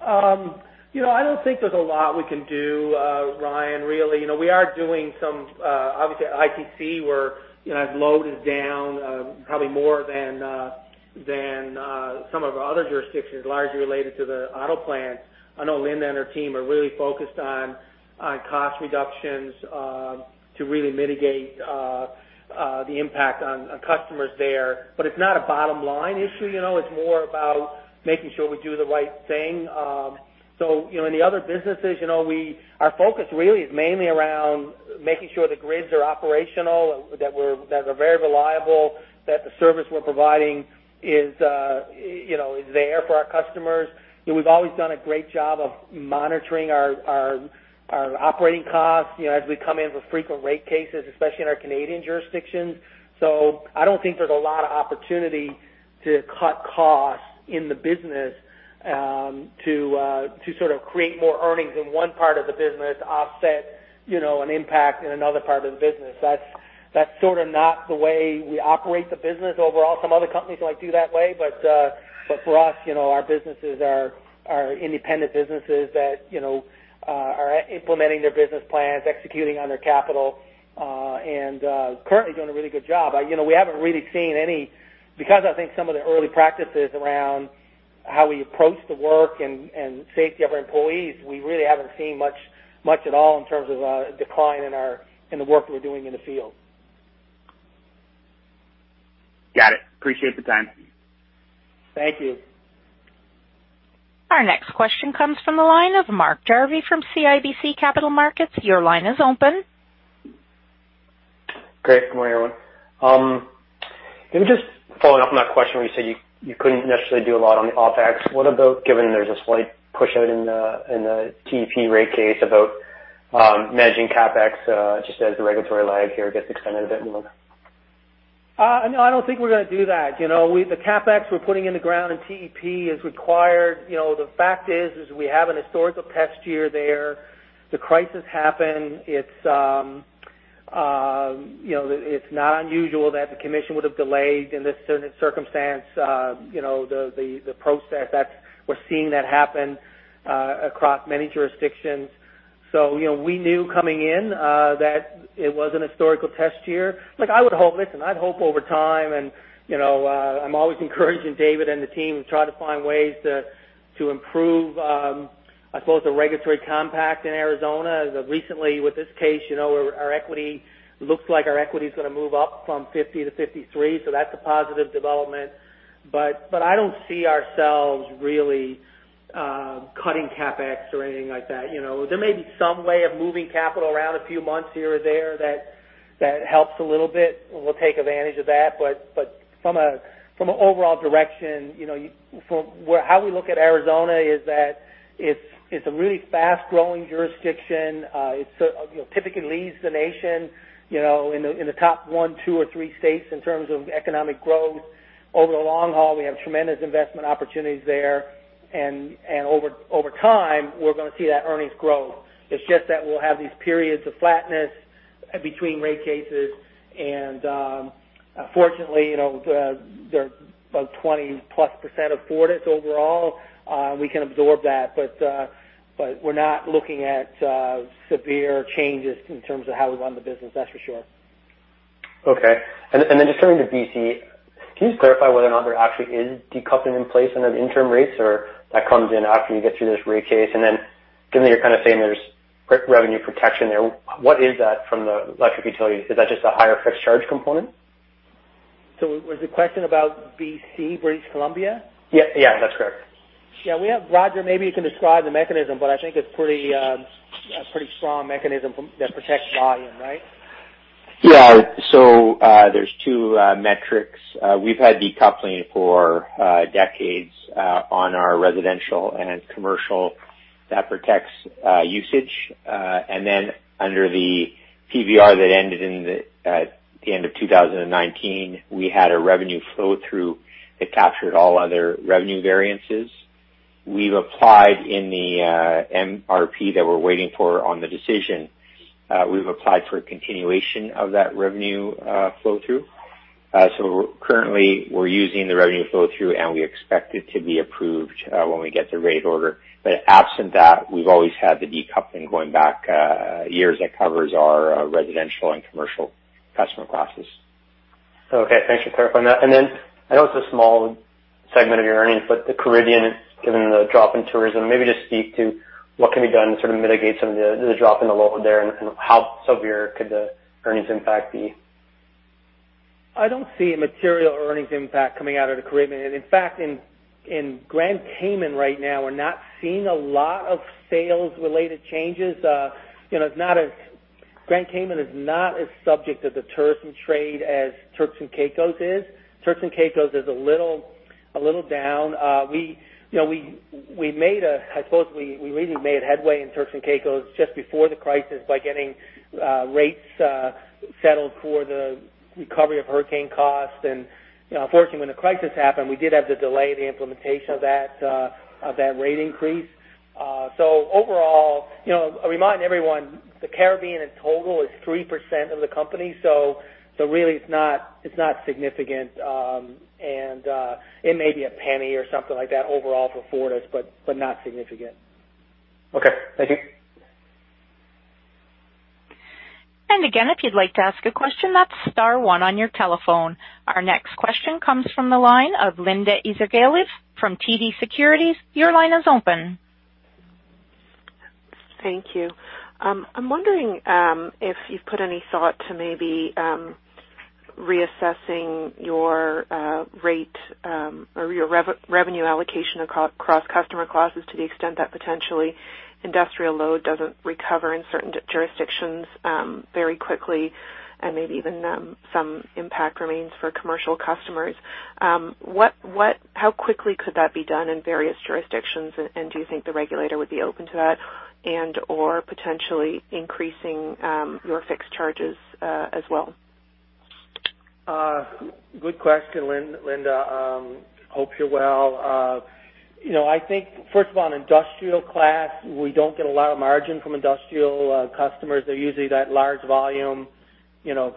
I don't think there's a lot we can do, Ryan, really. We are doing some, obviously at ITC, where load is down probably more than some of our other jurisdictions, largely related to the auto plants. I know Linda and her team are really focused on cost reductions to really mitigate the impact on customers there. It's not a bottom-line issue. It's more about making sure we do the right thing. In the other businesses, our focus really is mainly around making sure the grids are operational, that they're very reliable, that the service we're providing is there for our customers. We've always done a great job of monitoring our operating costs as we come in with frequent rate cases, especially in our Canadian jurisdictions. I don't think there's a lot of opportunity to cut costs in the business, to sort of create more earnings in one part of the business, offset an impact in another part of the business. That's sort of not the way we operate the business overall. Some other companies like to do that way, but for us, our businesses are independent businesses that are implementing their business plans, executing on their capital, and currently doing a really good job. Because I think some of the early practices around how we approach the work and safety of our employees, we really haven't seen much at all in terms of a decline in the work we're doing in the field. Got it. Appreciate the time. Thank you. Our next question comes from the line of Mark Jarvi from CIBC Capital Markets. Your line is open. Great. Good morning, everyone. Maybe just following up on that question where you said you couldn't necessarily do a lot on the OpEx. What about given there's a slight push out in the TEP rate case about managing CapEx, just as the regulatory lag here gets extended a bit more? I don't think we're going to do that. The CapEx we're putting in the ground in TEP is required. The fact is we have an historical test year there. The crisis happened. It's not unusual that the commission would have delayed in this circumstance, the process that we're seeing that happen across many jurisdictions. We knew coming in that it was an historical test year. Listen, I'd hope over time, and I'm always encouraging David and the team to try to find ways to improve, I suppose, the regulatory compact in Arizona. As of recently with this case, it looks like our equity is going to move up from 50 to 53. That's a positive development. I don't see ourselves really cutting CapEx or anything like that. There may be some way of moving capital around a few months here or there that helps a little bit. We'll take advantage of that. From an overall direction, how we look at Arizona is that it's a really fast-growing jurisdiction. It typically leads the nation in the top one, two, or three states in terms of economic growth. Over the long haul, we have tremendous investment opportunities there, and over time, we're going to see that earnings growth. It's just that we'll have these periods of flatness between rate cases, and fortunately, they're about 20%+ of Fortis overall. We can absorb that, but we're not looking at severe changes in terms of how we run the business, that's for sure. Okay. Just turning to B.C., can you just clarify whether or not there actually is decoupling in place in an interim rates, or that comes in after you get through this rate case? Given that you're kind of saying there's revenue protection there, what is that from the electric utility? Is that just a higher fixed charge component? Was the question about B.C., British Columbia? Yeah, that's correct. Yeah, Roger, maybe you can describe the mechanism, but I think it's a pretty strong mechanism that protects volume, right? Yeah. There's two metrics. We've had decoupling for decades on our residential and commercial that protects usage. Under the PBR that ended at the end of 2019, we had a revenue flow-through that captured all other revenue variances. We've applied in the MRP that we're waiting for on the decision. We've applied for a continuation of that revenue flow-through. Currently, we're using the revenue flow-through, and we expect it to be approved when we get the rate order. Absent that, we've always had the decoupling going back years that covers our residential and commercial customer classes. Okay, thanks for clarifying that. I know it's a small segment of your earnings, but the Caribbean, given the drop in tourism, maybe just speak to what can be done to sort of mitigate some of the drop in the load there, and how severe could the earnings impact be? I don't see a material earnings impact coming out of the Caribbean. In fact, in Grand Cayman right now, we're not seeing a lot of sales-related changes. Grand Cayman is not as subject to the tourism trade as Turks and Caicos is. Turks and Caicos is a little down. I suppose we really made headway in Turks and Caicos just before the crisis by getting rates settled for the recovery of hurricane costs. Unfortunately, when the crisis happened, we did have to delay the implementation of that rate increase. Overall, I remind everyone the Caribbean in total is 3% of the company, so really it's not significant. It may be a penny or something like that overall for Fortis, but not significant. Okay. Thank you. Again, if you'd like to ask a question, that's star one on your telephone. Our next question comes from the line of Linda Ezergailis from TD Securities. Your line is open. Thank you. I'm wondering if you've put any thought to maybe reassessing your rate or your revenue allocation across customer classes to the extent that potentially industrial load doesn't recover in certain jurisdictions very quickly, and maybe even some impact remains for commercial customers. How quickly could that be done in various jurisdictions, and do you think the regulator would be open to that and/or potentially increasing your fixed charges as well? Good question, Linda. Hope you're well. I think first of all, in industrial class, we don't get a lot of margin from industrial customers. They're usually that large volume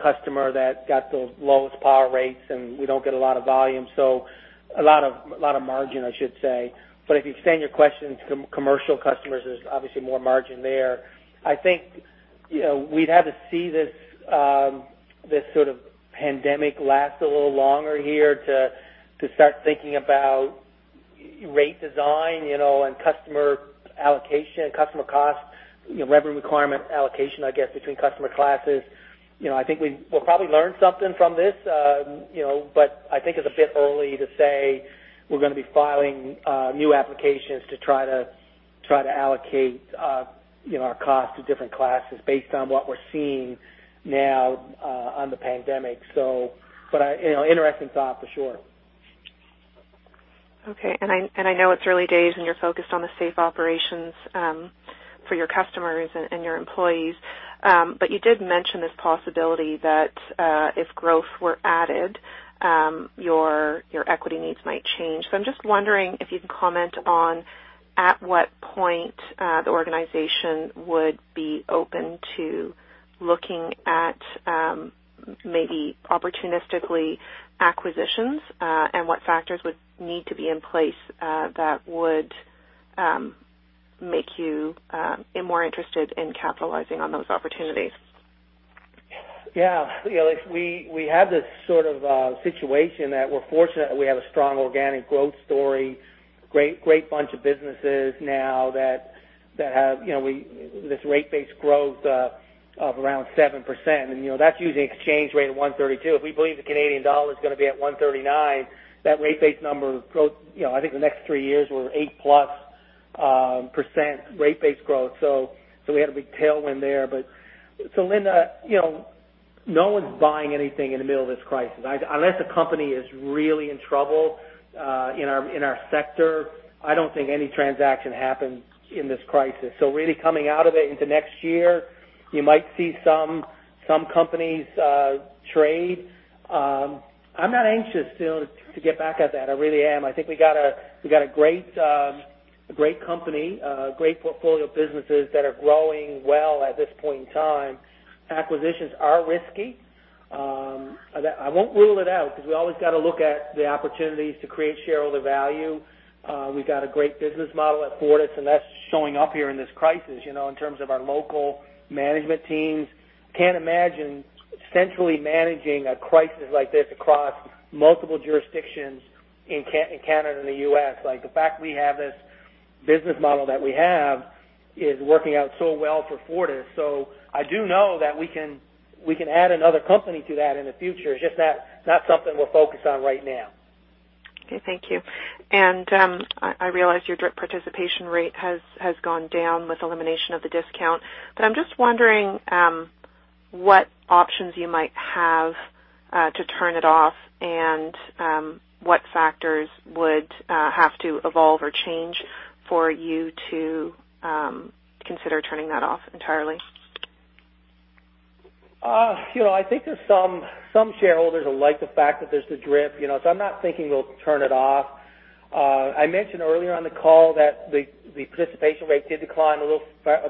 customer that got the lowest power rates, and we don't get a lot of volume. A lot of margin, I should say. If you expand your question to commercial customers, there's obviously more margin there. I think we'd have to see this sort of pandemic last a little longer here to start thinking about rate design and customer allocation, customer cost, revenue requirement allocation, I guess, between customer classes. I think we'll probably learn something from this. I think it's a bit early to say we're going to be filing new applications to try to allocate our cost to different classes based on what we're seeing now on the pandemic. Interesting thought, for sure. Okay. I know it's early days and you're focused on the safe operations for your customers and your employees. You did mention this possibility that if growth were added, your equity needs might change. I'm just wondering if you can comment on at what point the organization would be open to looking at maybe opportunistically acquisitions, and what factors would need to be in place that would make you more interested in capitalizing on those opportunities. We have this sort of situation that we're fortunate we have a strong organic growth story, great bunch of businesses now that have this rate base growth of around 7%, and that's using an exchange rate of 132. If we believe the Canadian dollar is going to be at 139, that rate base number growth, I think the next three years, we're 8% plus rate base growth. We have a big tailwind there. Linda, no one's buying anything in the middle of this crisis. Unless a company is really in trouble in our sector, I don't think any transaction happens in this crisis. Really coming out of it into next year, you might see some companies trade. I'm not anxious to get back at that. I really am. I think we got a great company, a great portfolio of businesses that are growing well at this point in time. Acquisitions are risky. I won't rule it out because we always got to look at the opportunities to create shareholder value. We've got a great business model at Fortis, and that's showing up here in this crisis, in terms of our local management teams. Can't imagine centrally managing a crisis like this across multiple jurisdictions in Canada and the U.S. Like, the fact we have this business model that we have is working out so well for Fortis. I do know that we can add another company to that in the future. It's just not something we're focused on right now. Okay. Thank you. I realize your DRIP participation rate has gone down with elimination of the discount. I'm just wondering, what options you might have to turn it off and what factors would have to evolve or change for you to consider turning that off entirely? I think there's some shareholders who like the fact that there's the DRIP, so I'm not thinking we'll turn it off. I mentioned earlier on the call that the participation rate did decline a little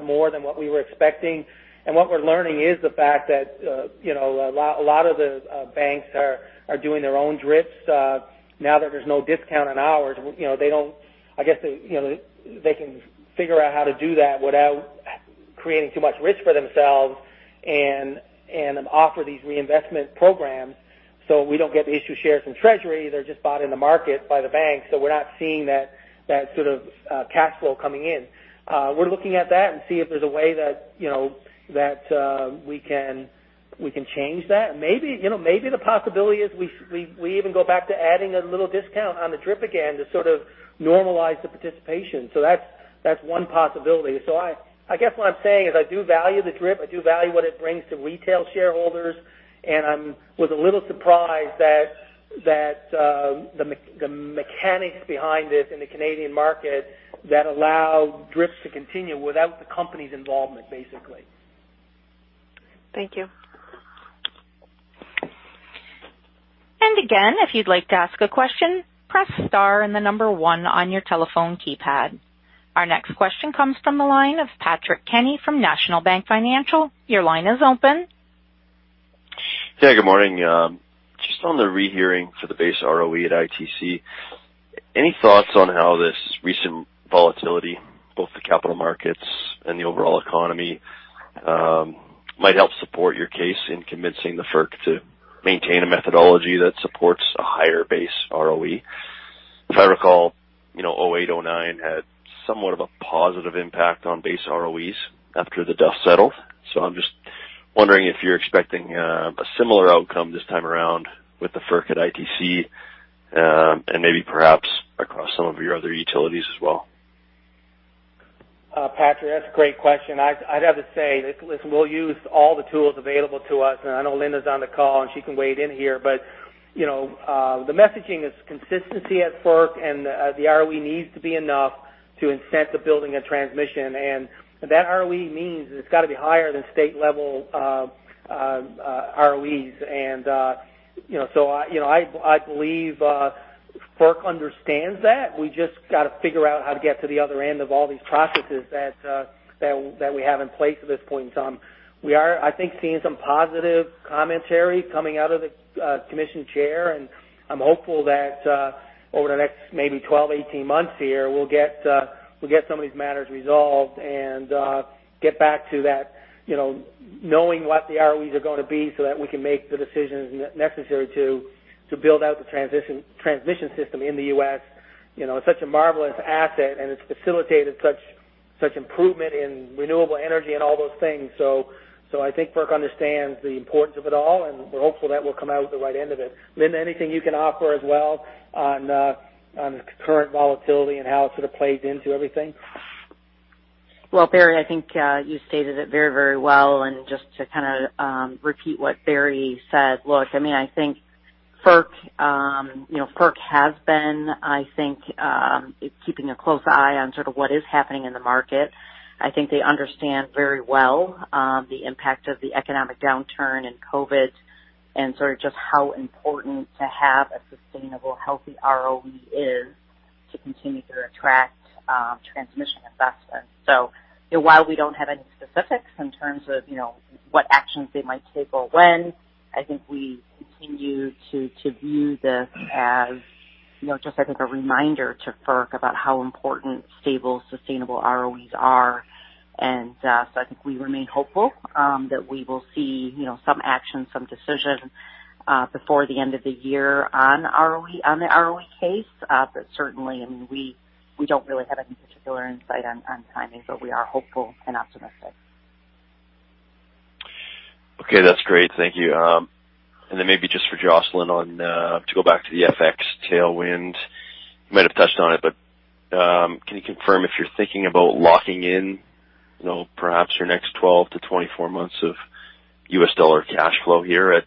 more than what we were expecting. What we're learning is the fact that a lot of the banks are doing their own DRIPs. Now that there's no discount on ours, I guess they can figure out how to do that without creating too much risk for themselves and offer these reinvestment programs, so we don't get the issued shares from treasury. They're just bought in the market by the bank. We're not seeing that sort of cash flow coming in. We're looking at that and see if there's a way that we can change that. Maybe the possibility is we even go back to adding a little discount on the DRIP again to sort of normalize the participation. That's one possibility. I guess what I'm saying is I do value the DRIP. I do value what it brings to retail shareholders, and I was a little surprised that the mechanics behind it in the Canadian market that allow DRIPs to continue without the company's involvement, basically. Thank you. Again, if you'd like to ask a question, press star and the number one on your telephone keypad. Our next question comes from the line of Patrick Kenny from National Bank Financial. Your line is open. Yeah, good morning. Just on the rehearing for the base ROE at ITC, any thoughts on how this recent volatility, both the capital markets and the overall economy, might help support your case in convincing the FERC to maintain a methodology that supports a higher base ROE? If I recall, 2008, 2009 had somewhat of a positive impact on base ROEs after the dust settled. I'm just wondering if you're expecting a similar outcome this time around with the FERC at ITC, and maybe perhaps across some of your other utilities as well. Patrick, that's a great question. I'd have to say, listen, we'll use all the tools available to us. I know Linda's on the call, and she can weigh in here. The messaging is consistency at FERC and the ROE needs to be enough to incentivize the building and transmission. That ROE means it's got to be higher than state-level ROEs. I believe FERC understands that. We just got to figure out how to get to the other end of all these processes that we have in place at this point in time. We are, I think, seeing some positive commentary coming out of the commission chair. I'm hopeful that over the next maybe 12, 18 months here, we'll get some of these matters resolved and get back to that knowing what the ROEs are going to be so that we can make the decisions necessary to build out the transmission system in the U.S. It's such a marvelous asset. It's facilitated such improvement in renewable energy and all those things. I think FERC understands the importance of it all. We're hopeful that we'll come out at the right end of it. Linda, anything you can offer as well on the current volatility and how it sort of plays into everything? Well, Barry, I think you stated it very well. Just to kind of repeat what Barry said, look, I think FERC has been, I think, keeping a close eye on sort of what is happening in the market. I think they understand very well the impact of the economic downturn and COVID and sort of just how important to have a sustainable, healthy ROE is to continue to attract transmission investments. While we don't have any specifics in terms of what actions they might take or when, I think we continue to view this as just, I think, a reminder to FERC about how important stable, sustainable ROEs are. I think we remain hopeful that we will see some action, some decision before the end of the year on the ROE case. Certainly, we don't really have any particular insight on timing, but we are hopeful and optimistic. Okay. That's great. Thank you. Then maybe just for Jocelyn to go back to the FX tailwind. You might have touched on it, but can you confirm if you're thinking about locking in perhaps your next 12-24 months of U.S. dollar cash flow here at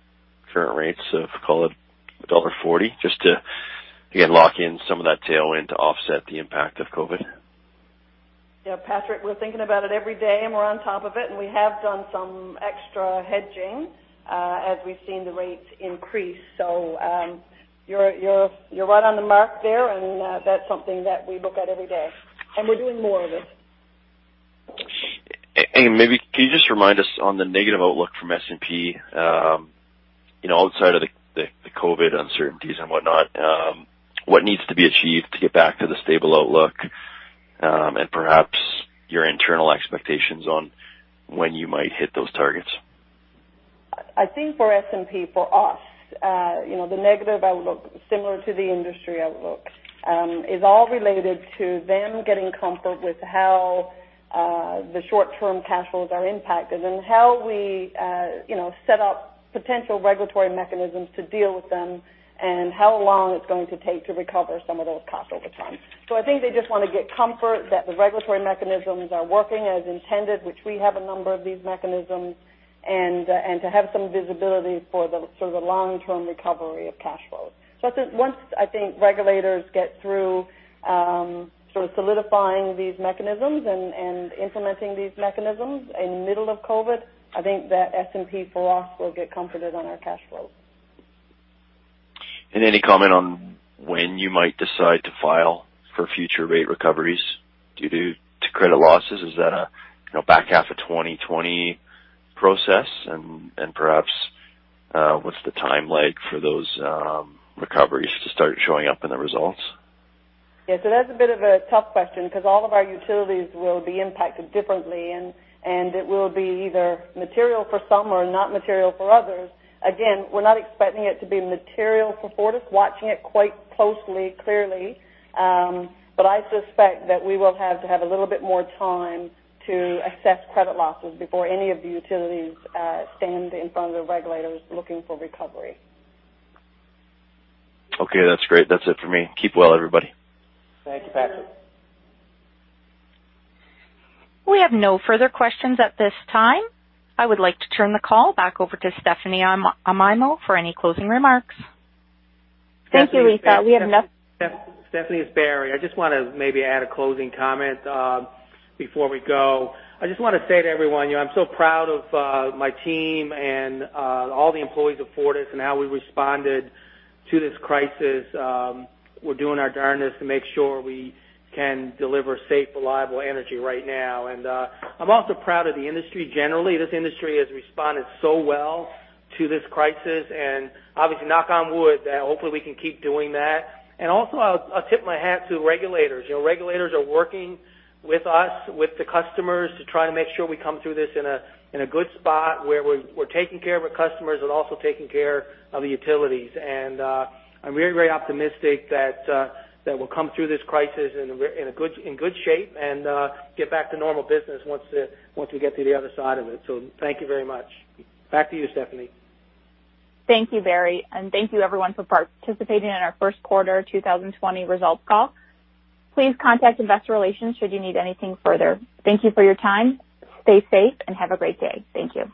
current rates of, call it dollar 1.40, just to, again, lock in some of that tailwind to offset the impact of COVID? Yeah, Patrick, we're thinking about it every day, and we're on top of it, and we have done some extra hedging as we've seen the rates increase. You're right on the mark there, and that's something that we look at every day. We're doing more of it. Maybe can you just remind us on the negative outlook from S&P, outside of the COVID uncertainties and whatnot, what needs to be achieved to get back to the stable outlook, and perhaps your internal expectations on when you might hit those targets? I think for S&P, for us, the negative outlook, similar to the industry outlook, is all related to them getting comfort with how the short-term cash flows are impacted and how we set up potential regulatory mechanisms to deal with them and how long it's going to take to recover some of those costs over time. I think they just want to get comfort that the regulatory mechanisms are working as intended, which we have a number of these mechanisms, and to have some visibility for the sort of long-term recovery of cash flows. I think once regulators get through sort of solidifying these mechanisms and implementing these mechanisms in the middle of COVID-19, I think that S&P, for us, will get comforted on our cash flows. Any comment on when you might decide to file for future rate recoveries due to credit losses? Is that a back half of 2020 process? Perhaps what's the timeline for those recoveries to start showing up in the results? Yeah. That's a bit of a tough question because all of our utilities will be impacted differently, and it will be either material for some or not material for others. Again, we're not expecting it to be material for Fortis, watching it quite closely, clearly. I suspect that we will have to have a little bit more time to assess credit losses before any of the utilities stand in front of the regulators looking for recovery. Okay. That's great. That's it for me. Keep well, everybody. Thank you, Patrick. We have no further questions at this time. I would like to turn the call back over to Stephanie Amaimo for any closing remarks. Stephanie, it's Barry. I just want to maybe add a closing comment before we go. I just want to say to everyone, I'm so proud of my team and all the employees of Fortis and how we responded to this crisis. We're doing our darnedest to make sure we can deliver safe, reliable energy right now. I'm also proud of the industry generally. This industry has responded so well to this crisis, and obviously, knock on wood, hopefully we can keep doing that. Also, I'll tip my hat to regulators. Regulators are working with us, with the customers to try to make sure we come through this in a good spot where we're taking care of our customers and also taking care of the utilities. I'm very optimistic that we'll come through this crisis in good shape and get back to normal business once we get to the other side of it. Thank you very much. Back to you, Stephanie. Thank you, Barry, and thank you everyone for participating in our first quarter 2020 results call. Please contact investor relations should you need anything further. Thank you for your time. Stay safe and have a great day. Thank you.